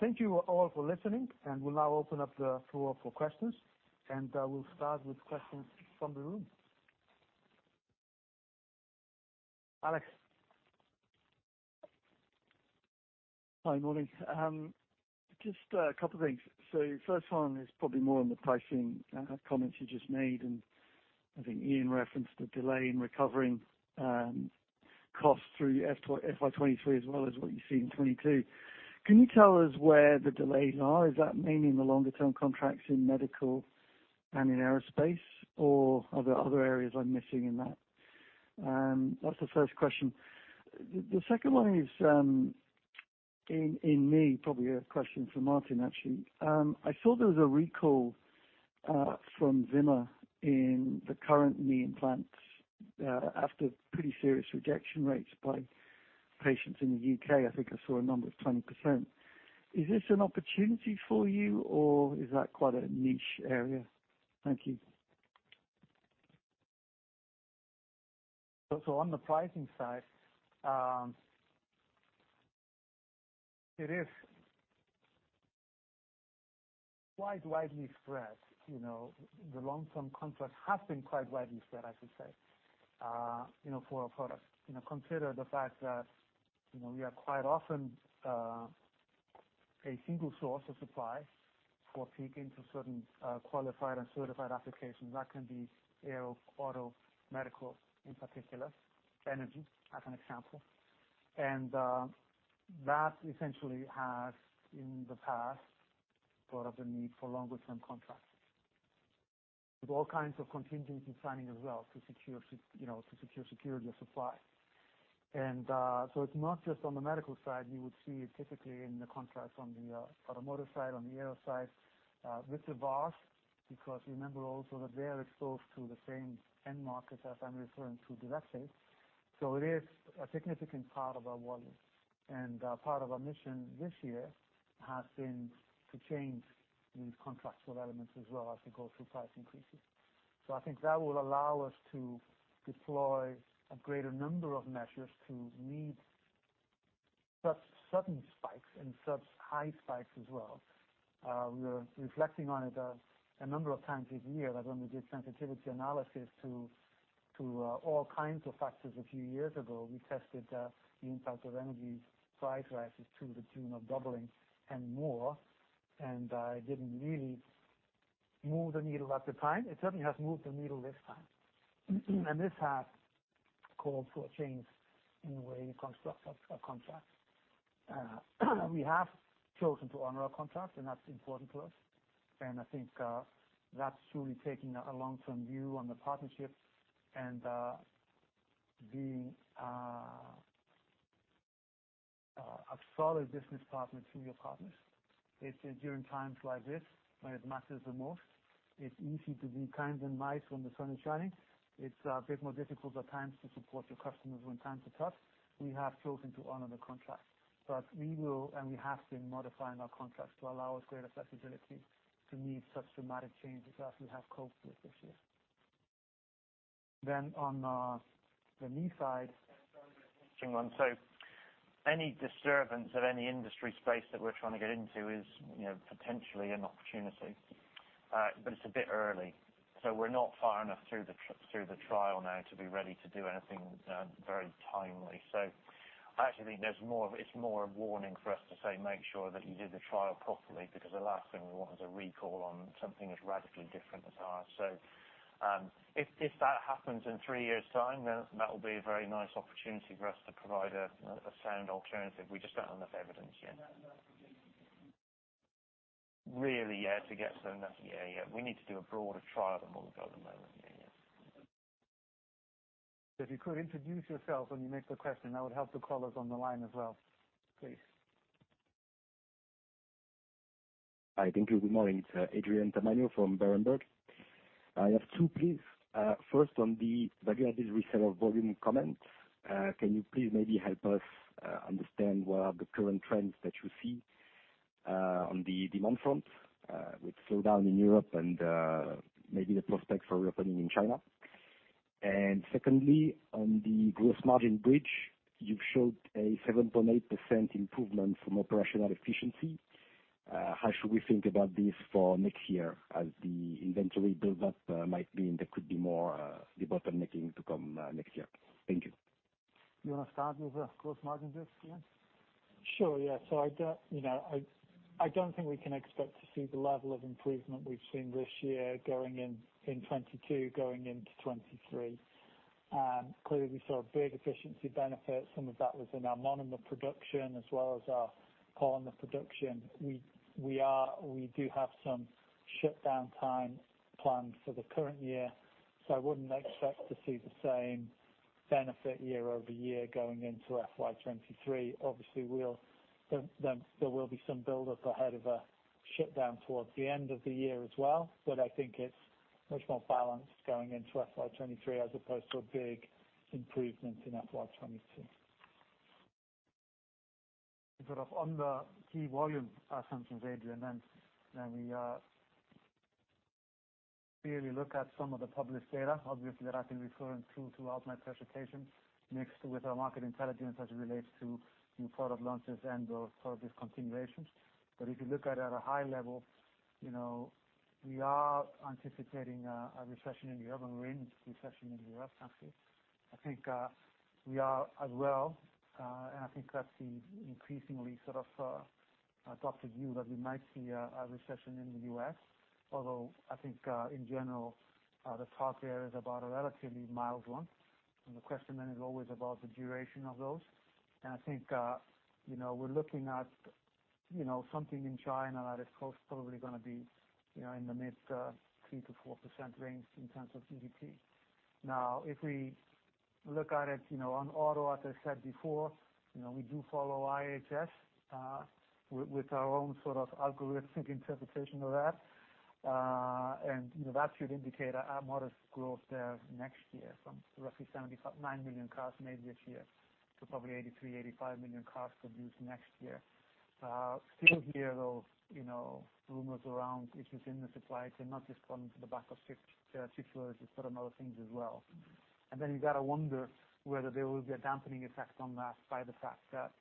Thank you all for listening, and we'll now open up the floor for questions. We'll start with questions from the room. Alex. Hi, morning. Just a couple of things. First one is probably more on the pricing, comments you just made, and I think Ian referenced the delay in recovering costs through FY 2023 as well as what you see in 2022. Can you tell us where the delays are? Is that mainly in the longer term contracts in medical and in aerospace, or are there other areas I'm missing in that? That's the first question. The second one is in knee, probably a question for Martin, actually. I saw there was a recall from Zimmer in the current knee implants after pretty serious rejection rates by patients in the U.K. I think I saw a number of 20%. Is this an opportunity for you, or is that quite a niche area? Thank you. On the pricing side, it is quite widely spread, you know. The long-term contracts have been quite widely spread, I should say, you know, for our product. You know, consider the fact that, you know, we are quite often, a single source of supply for PEEK into certain, qualified and certified applications. That can be aero, auto, medical in particular, energy as an example. That essentially has, in the past, brought up the need for longer term contracts. With all kinds of contingency planning as well to secure, you know, to secure security of supply. And it's not just on the medical side, you would see it typically in the contracts on the automotive side, on the aero side with the VARs, because remember also that they are exposed to the same end markets as I'm referring to directly. It is a significant part of our volume. And the part of our mission this year has been to change these contractual elements as well as we go through price increases. I think that will allow us to deploy a greater number of measures to meet such sudden spikes and such high spikes as well. We're reflecting on it a number of times this year that when we did sensitivity analysis to all kinds of factors a few years ago, we tested the impact of energy price rises to the tune of doubling and more, it didn't really move the needle at the time. It certainly has moved the needle this time. This has called for a change in the way we construct our contracts. We have chosen to honor our contracts, and that's important to us. I think that's truly taking a long-term view on the partnership and being a solid business partner to your partners. It's during times like this when it matters the most. It's easy to be kind and nice when the sun is shining. It's a bit more difficult at times to support your customers when times are tough. We have chosen to honor the contracts. We will, and we have been modifying our contracts to allow us greater flexibility to meet such dramatic changes as we have coped with this year. On the knee side- Any disturbance of any industry space that we're trying to get into is, you know, potentially an opportunity. It's a bit early, we're not far enough through the trial now to be ready to do anything very timely. I actually think it's more a warning for us to say, make sure that you do the trial properly, because the last thing we want is a recall on something as radically different as ours. If that happens in three years' time, then that will be a very nice opportunity for us to provide a sound alternative. We just don't have enough evidence yet. Really, yeah, to get to enough. Yeah. We need to do a broader trial than what we've got at the moment. Yeah. If you could introduce yourself when you make the question, that would help the callers on the line as well, please. Hi. Thank you. Good morning. It's Adrien Tamagno from Berenberg. I have two, please. First on the Value Added Reseller volume comment, can you please maybe help us understand what are the current trends that you see on the demand front, with slowdown in Europe and maybe the prospects for reopening in China? Secondly, on the gross margin bridge, you've showed a 7.8% improvement from operational efficiency. How should we think about this for next year as the inventory build up might mean there could be more debottlenecking to come next year? Thank you. You wanna start with the gross margin bit, Ian? Sure, yeah. I don't, you know, I don't think we can expect to see the level of improvement we've seen this year going in 2022 going into 2023. Clearly we saw a big efficiency benefit. Some of that was in our monomer production as well as our polymer production. We do have some shutdown time planned for the current year, so I wouldn't expect to see the same benefit year-over-year going into FY 2023. We'll then there will be some buildup ahead of a shutdown towards the end of the year as well. I think it's much more balanced going into FY 2023 as opposed to a big improvement in FY 2022. Sort of on the key volume assumptions, Adrien, and we clearly look at some of the published data, obviously, that I've been referring to throughout my presentation, mixed with our market intelligence as it relates to new product launches and/or product discontinuations. If you look at it at a high level, you know, we are anticipating a recession in Europe, and we're in recession in the U.S. actually. I think we are as well, and I think that's the increasingly sort of adopted view that we might see a recession in the U.S. although I think in general the talk there is about a relatively mild one. The question then is always about the duration of those. I think, you know, we're looking at, you know, something in China that is most probably gonna be, you know, in the mid, 3%-4% range in terms of GDP. If we look at it, you know, on auto, as I said before, you know, we do follow IHS, with our own sort of algorithmic interpretation of that. You know, that should indicate a modest growth there next year from roughly 75.9 million cars made this year to probably 83 million-85 million cars produced next year. Still hear those, you know, rumors around issues in the supply chain, not just coming from the back of chip shortage but on other things as well. You gotta wonder whether there will be a dampening effect on that by the fact that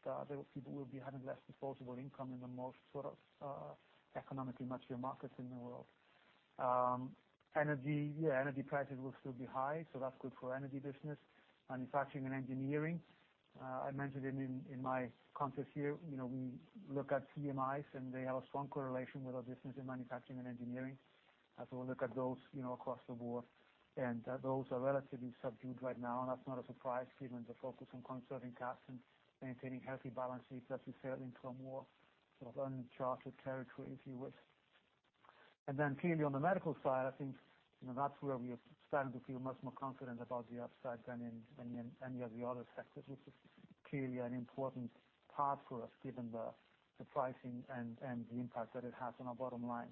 people will be having less disposable income in the most sort of economically mature markets in the world. Energy, yeah, energy prices will still be high, that's good for our energy business. Manufacturing and engineering, I mentioned it in my comments here. You know, we look at PMIs, they have a strong correlation with our business in manufacturing and engineering as we look at those, you know, across the board. Those are relatively subdued right now, that's not a surprise given the focus on conserving cash and maintaining healthy balance sheets as we sail into a more sort of uncharted territory, if you would. Clearly on the medical side, I think, you know, that's where we have started to feel much more confident about the upside than in any of the other sectors, which is clearly an important part for us given the pricing and the impact that it has on our bottom line.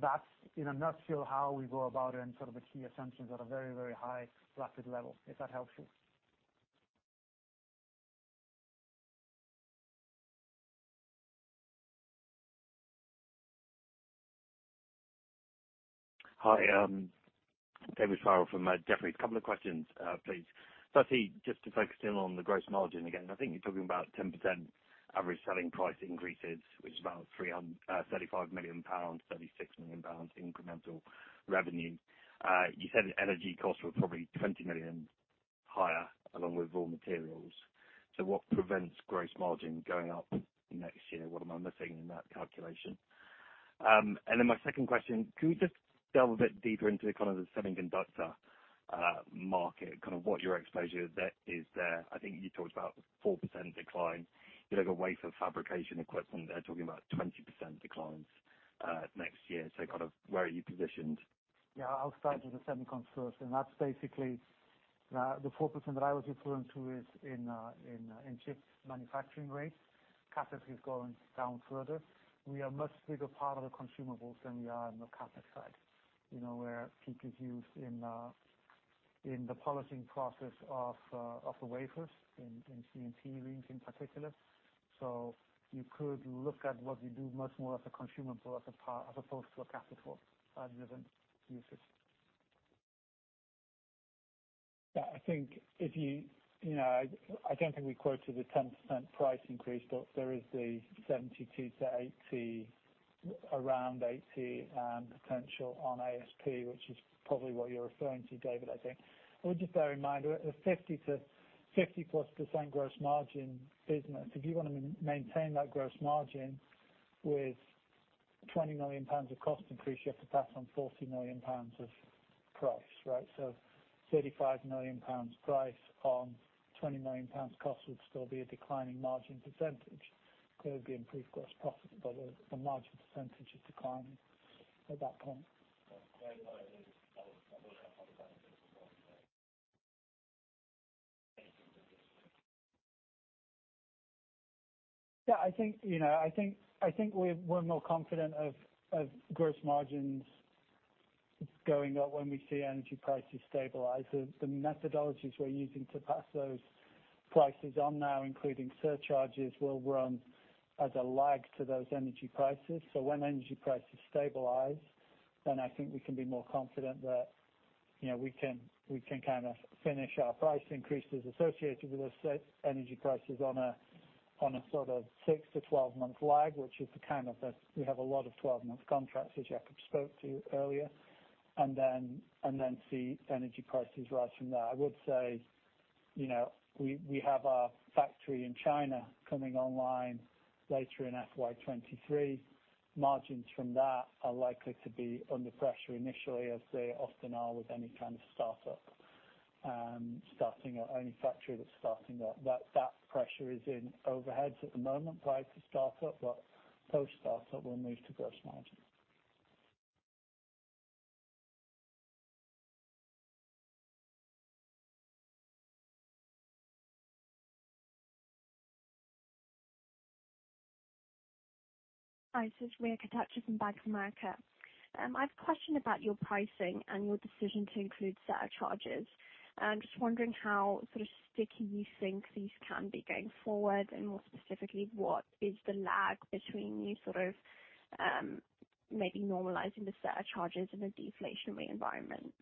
That's in a nutshell how we go about it and sort of the key assumptions at a very, very high, lofty level, if that helps you. Hi, David Farrell from Jefferies. A couple of questions, please. Firstly, just to focus in on the gross margin again, I think you're talking about 10% average selling price increases, which is about 35 million pounds, 36 million pounds incremental revenue. You said energy costs were probably 20 million higher along with raw materials. What prevents gross margin going up next year? What am I missing in that calculation? My second question, can we just delve a bit deeper into kind of the semiconductor market, kind of what your exposure that is there? I think you talked about 4% decline. You know, the wafer fabrication equipment, they're talking about 20% declines next year. Where are you positioned? I'll start with the semiconductors, the 4% that I was referring to is in chip manufacturing rates. Capacities going down further. We are a much bigger part of the consumables than we are in the CapEx side, you know, where PEEK is used in the polishing process of the wafers in CMP rings in particular. You could look at what we do much more as a consumable as opposed to a CapEx for 11 usage. Yeah, I think if you know, I don't think we quoted a 10% price increase, but there is the 72-80, around 80, potential on ASP, which is probably what you're referring to, David, I think. Well, just bear in mind we're at the 50-50%+ gross margin business. If you wanna maintain that gross margin with 20 million pounds of cost increase, you have to pass on 40 million pounds of price, right? 35 million pounds price on 20 million pounds cost would still be a declining margin percentage. Clearly be improved gross profit, the margin percentage is declining at that point. Yeah, I think, you know, I think we're more confident of gross margins going up when we see energy prices stabilize. The methodologies we're using to pass those prices on now, including surcharges, will run as a lag to those energy prices. When energy prices stabilize, then I think we can be more confident that, you know, we can kind of finish our price increases associated with energy prices on a sort of 6-12 month lag, which is the kind of that we have a lot of 12-month contracts, as Jakob spoke to earlier, and then see energy prices rise from there. I would say, you know, we have our factory in China coming online later in FY 2023. Margins from that are likely to be under pressure initially, as they often are with any kind of startup. Starting a only factory that's starting up. That pressure is in overheads at the moment prior to startup, but post-startup will move to gross margin. Hi, this is Maria Katachos from Bank of America. I've a question about your pricing and your decision to include surcharges. I'm just wondering how sort of sticky you think these can be going forward, and more specifically, what is the lag between you sort of, maybe normalizing the surcharges in a deflationary environment?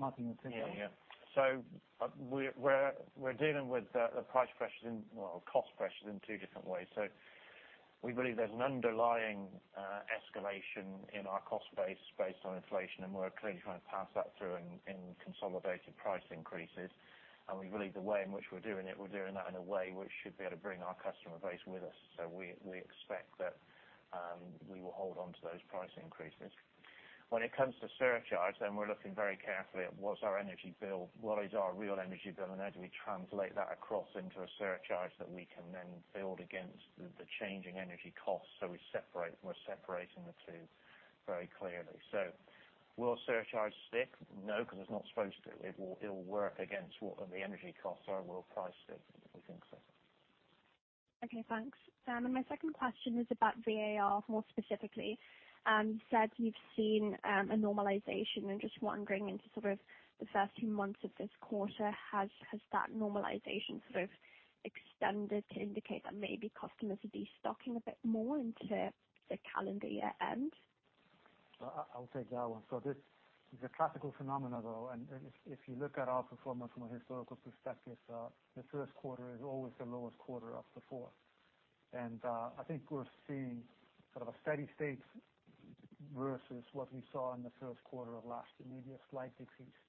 Martin, you want to take that? We're dealing with the price pressures and, well, cost pressures in two different ways. We believe there's an underlying escalation in our cost base based on inflation, and we're clearly trying to pass that through in consolidated price increases. We believe the way in which we're doing that in a way which should be able to bring our customer base with us. We expect that we will hold on to those price increases. When it comes to surcharge, then we're looking very carefully at what's our energy bill, what is our real energy bill, and how do we translate that across into a surcharge that we can then build against the changing energy costs. We're separating the two very clearly. Will surcharge stick? No, because it's not supposed to. It will work against what the energy costs are. Will price stick? We think so. Okay, thanks. My second question is about VAR more specifically. You said you've seen a normalization. I'm just wondering into sort of the first few months of this quarter, has that normalization sort of extended to indicate that maybe customers are destocking a bit more into the calendar year end? I will take that one. This is a classical phenomenon, though, and if you look at our performance from a historical perspective, the first quarter is always the lowest quarter of the four. I think we're seeing sort of a steady-state versus what we saw in the first quarter of last year. Maybe a slight decrease,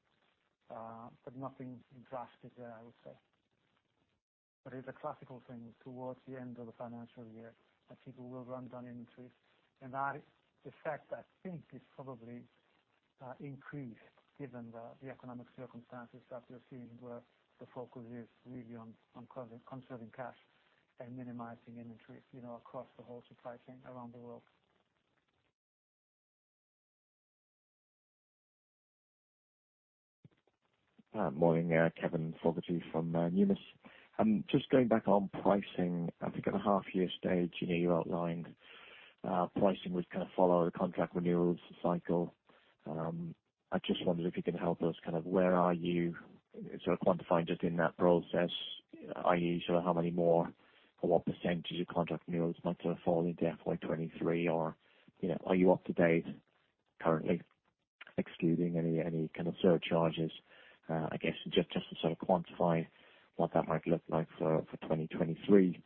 but nothing drastic there, I would say. It's a classical thing towards the end of the financial year that people will run down inventories. That effect, I think, is probably increased given the economic circumstances that we're seeing, where the focus is really on conserving cash and minimizing inventories, you know, across the whole supply chain around the world. Morning. Kevin Fogarty from Deutsche Numis. Just going back on pricing, I think at the half-year stage, you know, you outlined pricing would kind of follow the contract renewals cycle. I just wondered if you can help us kind of where are you sort of quantifying just in that process, i.e., sort of how many more or what percentage of contract renewals might sort of fall into FY 2023? You know, are you up to date currently, excluding any kind of surcharges? I guess just to sort of quantify what that might look like for 2023.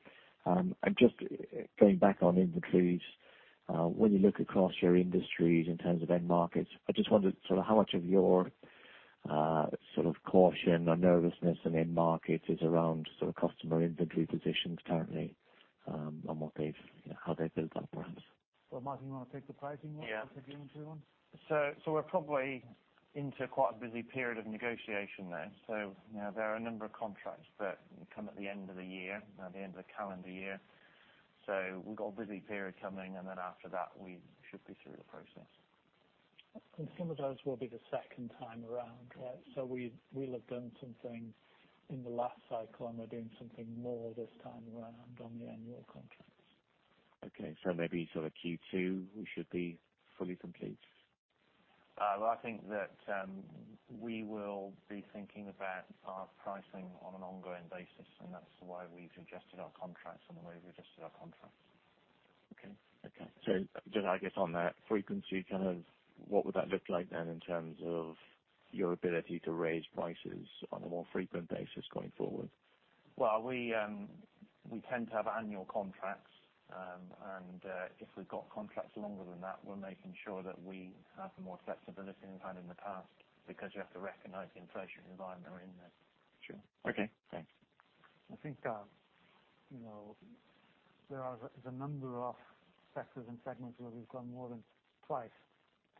Just going back on inventories, when you look across your industries in terms of end markets, I just wondered sort of how much of your sort of caution or nervousness in end markets is around sort of customer inventory positions currently, on what they've, how they build that perhaps. Martin, you want to take the pricing one? Yeah. I'll take the inventory one. We're probably into quite a busy period of negotiation there. You know, there are a number of contracts that come at the end of the year, at the end of the calendar year. We've got a busy period coming, and then after that, we should be through the process. Some of those will be the second time around, right? We'll have done some things in the last cycle, and we're doing something more this time around on the annual contracts. Okay. Maybe sort of Q2, we should be fully complete. Well, I think that we will be thinking about our pricing on an ongoing basis, that's why we've adjusted our contracts in the way we've adjusted our contracts. Okay. Okay. Just I guess on that frequency, kind of what would that look like then in terms of your ability to raise prices on a more frequent basis going forward? We tend to have annual contracts. If we've got contracts longer than that, we're making sure that we have more flexibility than we've had in the past because you have to recognize the inflation environment we're in there. Sure. Okay. Thanks. I think, you know, there are, there's a number of sectors and segments where we've gone more than twice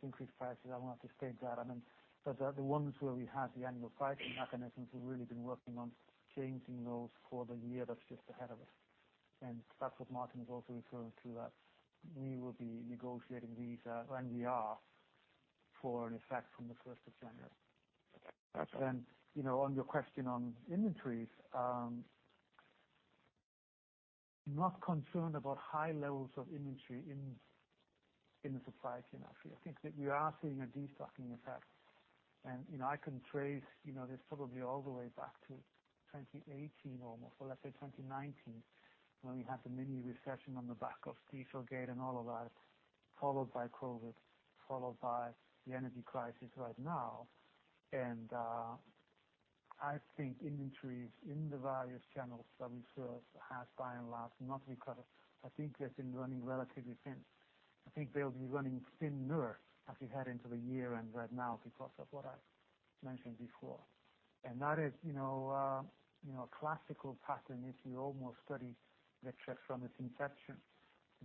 to increase prices. I want to state that. I mean, the ones where we have the annual pricing mechanisms, we've really been working on changing those for the year that's just ahead of us. That's what Martin is also referring to, that we will be negotiating these, and we are, for an effect from the 1st of January. Okay. Gotcha. You know, on your question on inventories, I'm not concerned about high levels of inventory in the supply chain actually. I think that you are seeing a destocking effect. You know, I can trace, you know, this probably all the way back to 2018 almost or let's say 2019, when we had the mini recession on the back of Dieselgate and all of that, followed by COVID, followed by the energy crisis right now. I think inventories in the various channels that we serve has by and large, not recovered. I think they've been running relatively thin. I think they'll be running thinner as we head into the year and right now because of what I mentioned before. That is, you know, you know, a classical pattern, if you almost study lectures from this inception,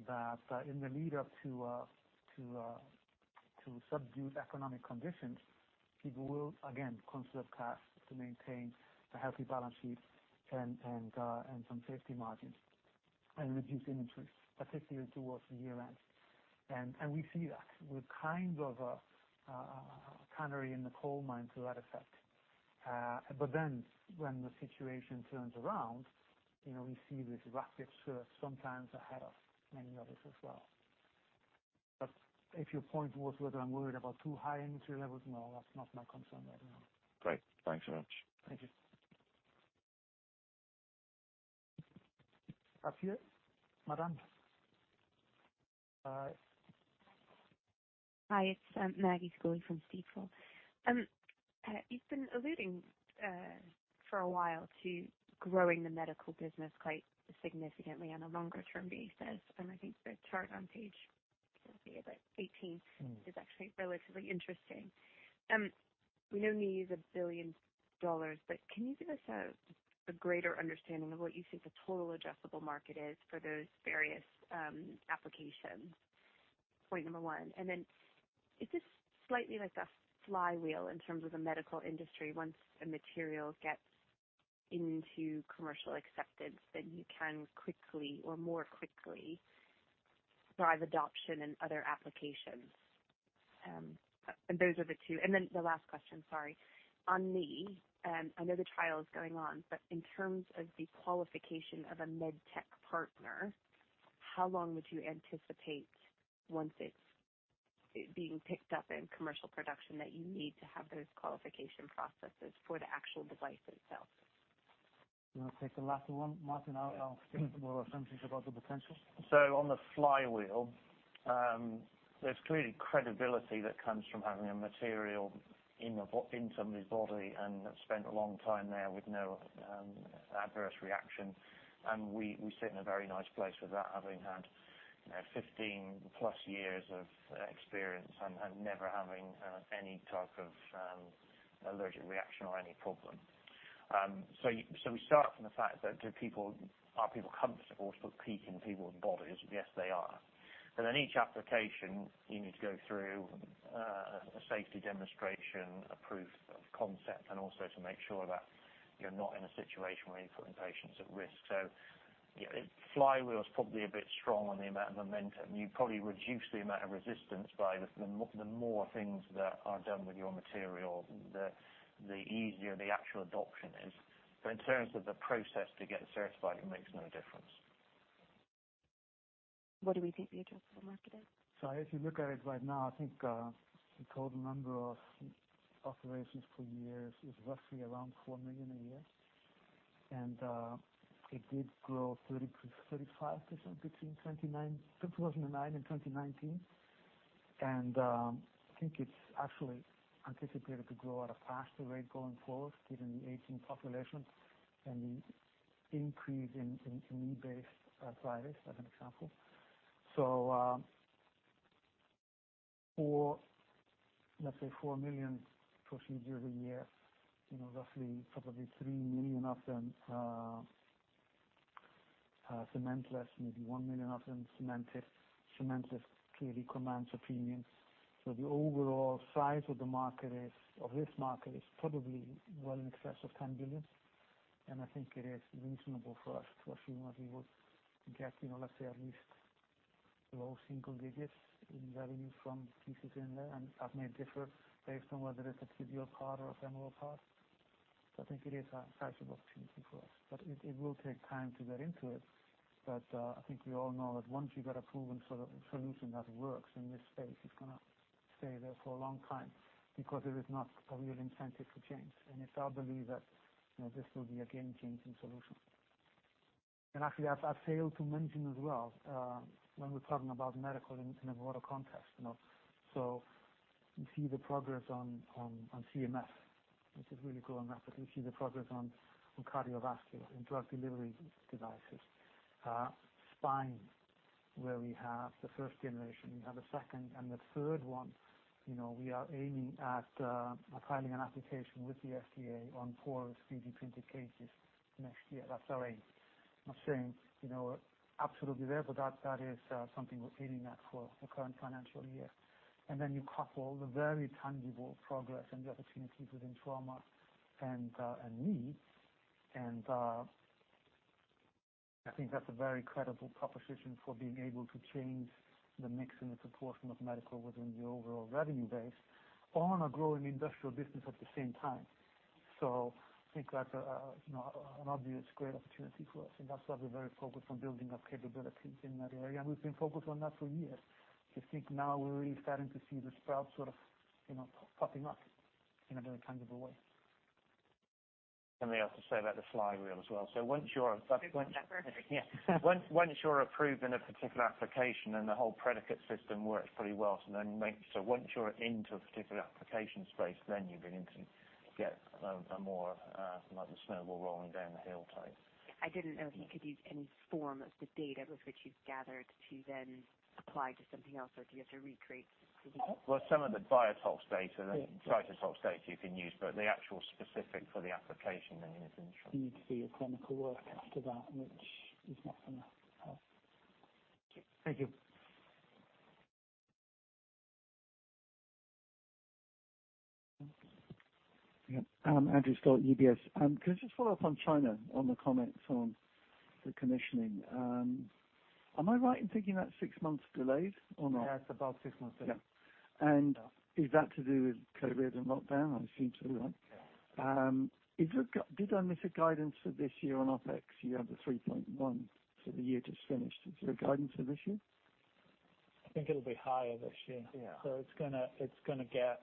that in the lead up to, to subdued economic conditions, people will again conserve cash to maintain a healthy balance sheet and some safety margins and reduce inventories, particularly towards the year end. We see that. We're kind of a canary in the coal mine to that effect. When the situation turns around, you know, we see this rapid surge sometimes ahead of many others as well. If your point was whether I'm worried about too high inventory levels, no, that's not my concern right now. Great. Thanks so much. Thank you. Matthew, madam? Hi, it's Maggie Schooley from Stifel. You've been alluding for a while to growing the medical business quite significantly on a longer term basis. I think the chart on page, can't see it, but 18. Mm. It is actually relatively interesting. We know knee is a billion dollars, but can you give us a greater understanding of what you think the total addressable market is for those various applications? Point one and then is this slightly like a flywheel in terms of the medical industry? Once a material gets into commercial acceptance, then you can quickly or more quickly drive adoption in other applications. Those are the two. The last question, sorry, on knee, I know the trial is going on, but in terms of the qualification of a med tech partner, how long would you anticipate once it's, it being picked up in commercial production, that you need to have those qualification processes for the actual device itself? I'll take the last one, Martin. I'll give you more assumptions about the potential. On the flywheel, there's clearly credibility that comes from having a material in somebody's body and spent a long time there with no adverse reaction. We sit in a very nice place with that, having had, you know, 15+ years of experience and never having any type of allergic reaction or any problem. We start from the fact that are people comfortable sort of PEEK in people's bodies? Yes, they are. In each application you need to go through a safety demonstration, a proof of concept, and also to make sure that you're not in a situation where you're putting patients at risk. Flywheel is probably a bit strong on the amount of momentum. You probably reduce the amount of resistance by the more things that are done with your material, the easier the actual adoption is. In terms of the process to get certified, it makes no difference. What do we think the addressable market is? If you look at it right now, I think, the total number of operations per year is roughly around $4 million a year. It did grow 30%-35% between 2009 and 2019. I think it's actually anticipated to grow at a faster rate going forward given the aging population and the increase in knee-based drivers, as an example. For, let's say 4 million procedures a year, you know, roughly probably 3 million of them are cement-less, maybe 1 million of them cemented. Cemented clearly commands a premium. The overall size of the market of this market is probably well in excess of $10 billion. I think it is reasonable for us to assume that we will get, you know, let's say at least low single digits in revenue from pieces in there. That may differ based on whether it's a tibial part or a femoral part. I think it is a sizable opportunity for us, but it will take time to get into it. I think we all know that once you've got a proven solution that works in this space, it's gonna stay there for a long time because there is not a real incentive to change. If I believe that, you know, this will be a game changing solution. Actually I failed to mention as well when we're talking about medical in a broader context, you know. You see the progress on CMS, which is really growing rapidly. You see the progress on cardiovascular and drug delivery devices. Spine, where we have the first generation, we have a second and the third one, you know, we are aiming at filing an application with the FDA on four 3D printed cages next year. That's our aim. Not saying, you know, absolutely there, but that is something we're aiming at for the current financial year. You couple the very tangible progress and the opportunities within trauma and knee. I think that's a very credible proposition for being able to change the mix and the proportion of medical within the overall revenue base on a growing industrial business at the same time. I think that's a, you know, an obvious great opportunity for us, and that's why we're very focused on building up capabilities in that area. We've been focused on that for years. I think now we're really starting to see the sprouts sort of, you know, popping up in a very tangible way. Something else to say about the flywheel as well. Once you're approved in a particular application, the whole predicate system works pretty well. Once you're into a particular application space, then you begin to get a more like the snowball rolling down the hill type. I didn't know if you could use any form of the data with which you've gathered to then apply to something else, or do you have to recreate the data? Yeah. Cytotox data you can use, but the actual specific for the application then is ensured. You need to do your clinical work after that, which is not gonna help. Thank you. Yeah. Andrew Stott, UBS. Can I just follow up on China, on the comments on the commissioning? Am I right in thinking that's six months delayed or not? Yeah, it's about six months delayed. Yeah. Is that to do with COVID and lockdown? I assume so, right? Yeah. Did I miss a guidance for this year on OpEx? You have the 3.1 million for the year just finished. Is there a guidance for this year? I think it'll be higher this year. Yeah. It's gonna get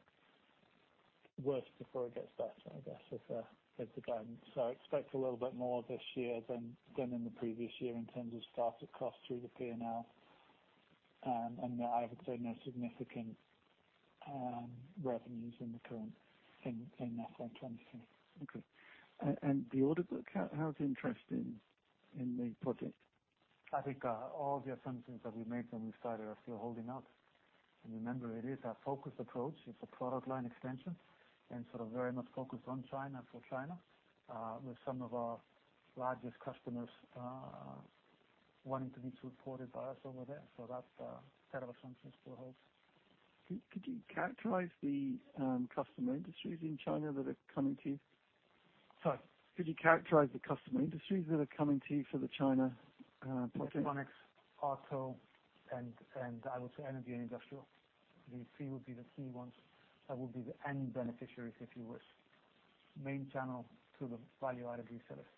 worse before it gets better, I guess, is the guidance. Expect a little bit more this year than in the previous year in terms of startup costs through the P&L. I would say no significant revenues in the current in FY 2023. Okay. The order book, how's interest in the project? I think all the assumptions that we made when we started are still holding up. Remember, it is our focused approach. It's a product line extension and sort of very much focused on China, for China, with some of our largest customers, wanting to be supported by us over there. That set of assumptions still holds. Could you characterize the customer industries in China that are coming to you? Sorry? Could you characterize the customer industries that are coming to you for the China project? Electronics, auto, and I would say energy and industrial. The three would be the key ones that would be the end beneficiaries, if you wish. Main channel to the value added resellers.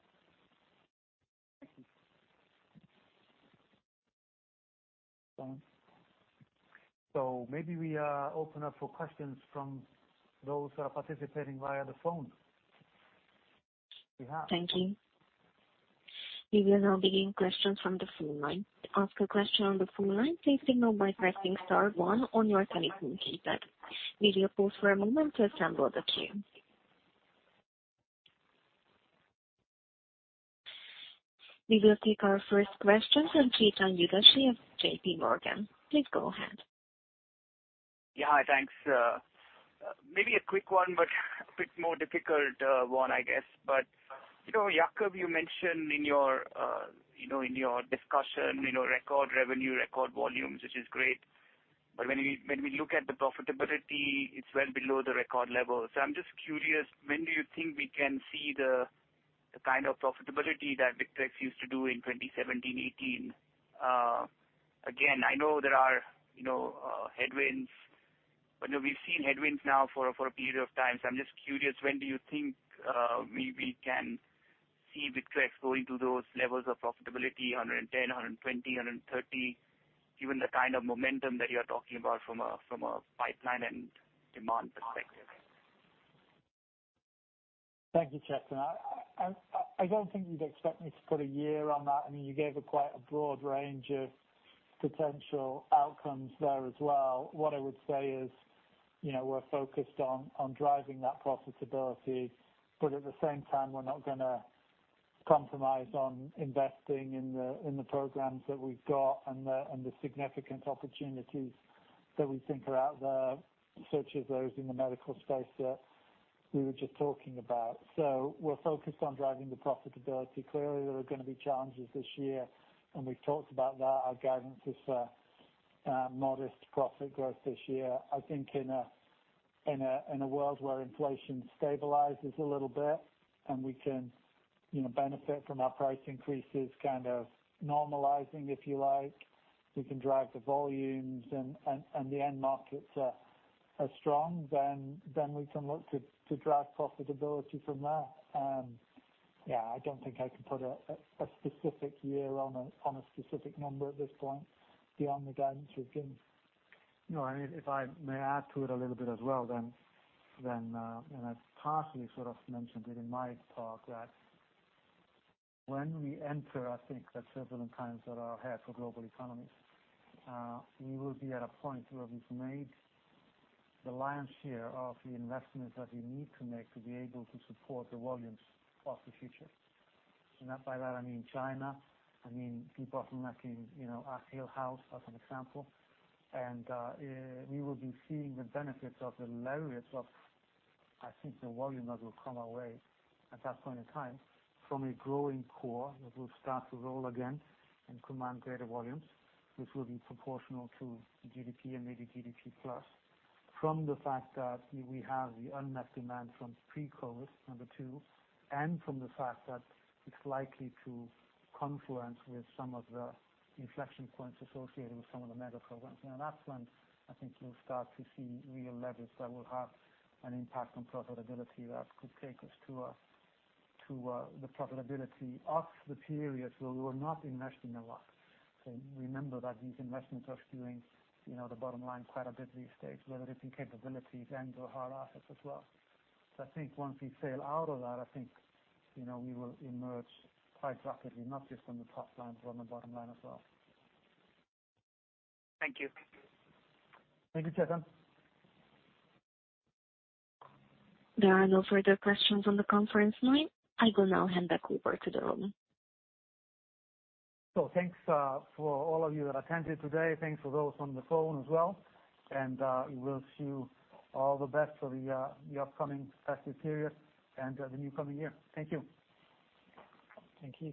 Thank you. Maybe we open up for questions from those who are participating via the phone, if we have. Thank you. We will now begin questions from the phone line. To ask a question on the phone line, please signal by pressing star 1 on your telephone keypad. We will pause for a moment to assemble the queue. We will take our first question from Chetan Udeshi of JPMorgan. Please go ahead. Yeah. Hi. Thanks. Maybe a quick one, but a bit more difficult one, I guess. You know, Jakob, you mentioned in your, you know, in your discussion, you know, record revenue, record volumes, which is great. When we look at the profitability, it's well below the record level. I'm just curious, when do you think we can see the kind of profitability that Victrex used to do in 2017, 2018 again? I know there are, you know, headwinds, but, you know, we've seen headwinds now for a period of time. I'm just curious, when do you think we can see Victrex going to those levels of profitability, 110 million, 120 million, 130 million, given the kind of momentum that you're talking about from a pipeline and demand perspective? Thank you, Chetan. I don't think you'd expect me to put a year on that. I mean, you gave a quite a broad range of potential outcomes there as well. What I would say is, you know, we're focused on driving that profitability, but at the same time we're not gonna compromise on investing in the, in the programs that we've got and the, and the significant opportunities that we think are out there, such as those in the medical space that we were just talking about. We're focused on driving the profitability. Clearly, there are gonna be challenges this year, and we've talked about that. Our guidance is for modest profit growth this year. I think in a world where inflation stabilizes a little bit and we can, you know, benefit from our price increases kind of normalizing, if you like, we can drive the volumes and the end markets are strong, then we can look to drive profitability from there. Yeah, I don't think I can put a specific year on a specific number at this point beyond the guidance we've given. No. If I may add to it a little bit as well, then, and I've partially sort of mentioned it in my talk that when we enter, I think the turbulent times that are ahead for global economies, we will be at a point where we've made the lion's share of the investments that we need to make to be able to support the volumes of the future. By that I mean China, I mean debottlenecking, you know, Hillhouse as an example. We will be seeing the benefits of the leverage of, I think the volume that will come our way at that point in time from a growing core that will start to roll again and command greater volumes, which will be proportional to GDP and maybe GDP plus. From the fact that we have the unmet demand from pre-COVID, number two, and from the fact that it's likely to confluence with some of the inflection points associated with some of the mega-programs. That's when I think you'll start to see real leverage that will have an impact on profitability that could take us to a, to the profitability of the periods where we're not investing a lot. Remember that these investments are skewing, you know, the bottom line quite a bit these days, whether it's in capabilities and/or hard assets as well. I think once we sail out of that, I think, you know, we will emerge quite rapidly, not just on the top line, but on the bottom line as well. Thank you. Thank you, Chetan. There are no further questions on the conference line. I will now hand back over to the room. Thanks for all of you that attended today. Thanks for those on the phone as well. We wish you all the best for the upcoming testing period and the new coming year. Thank you. Thank you.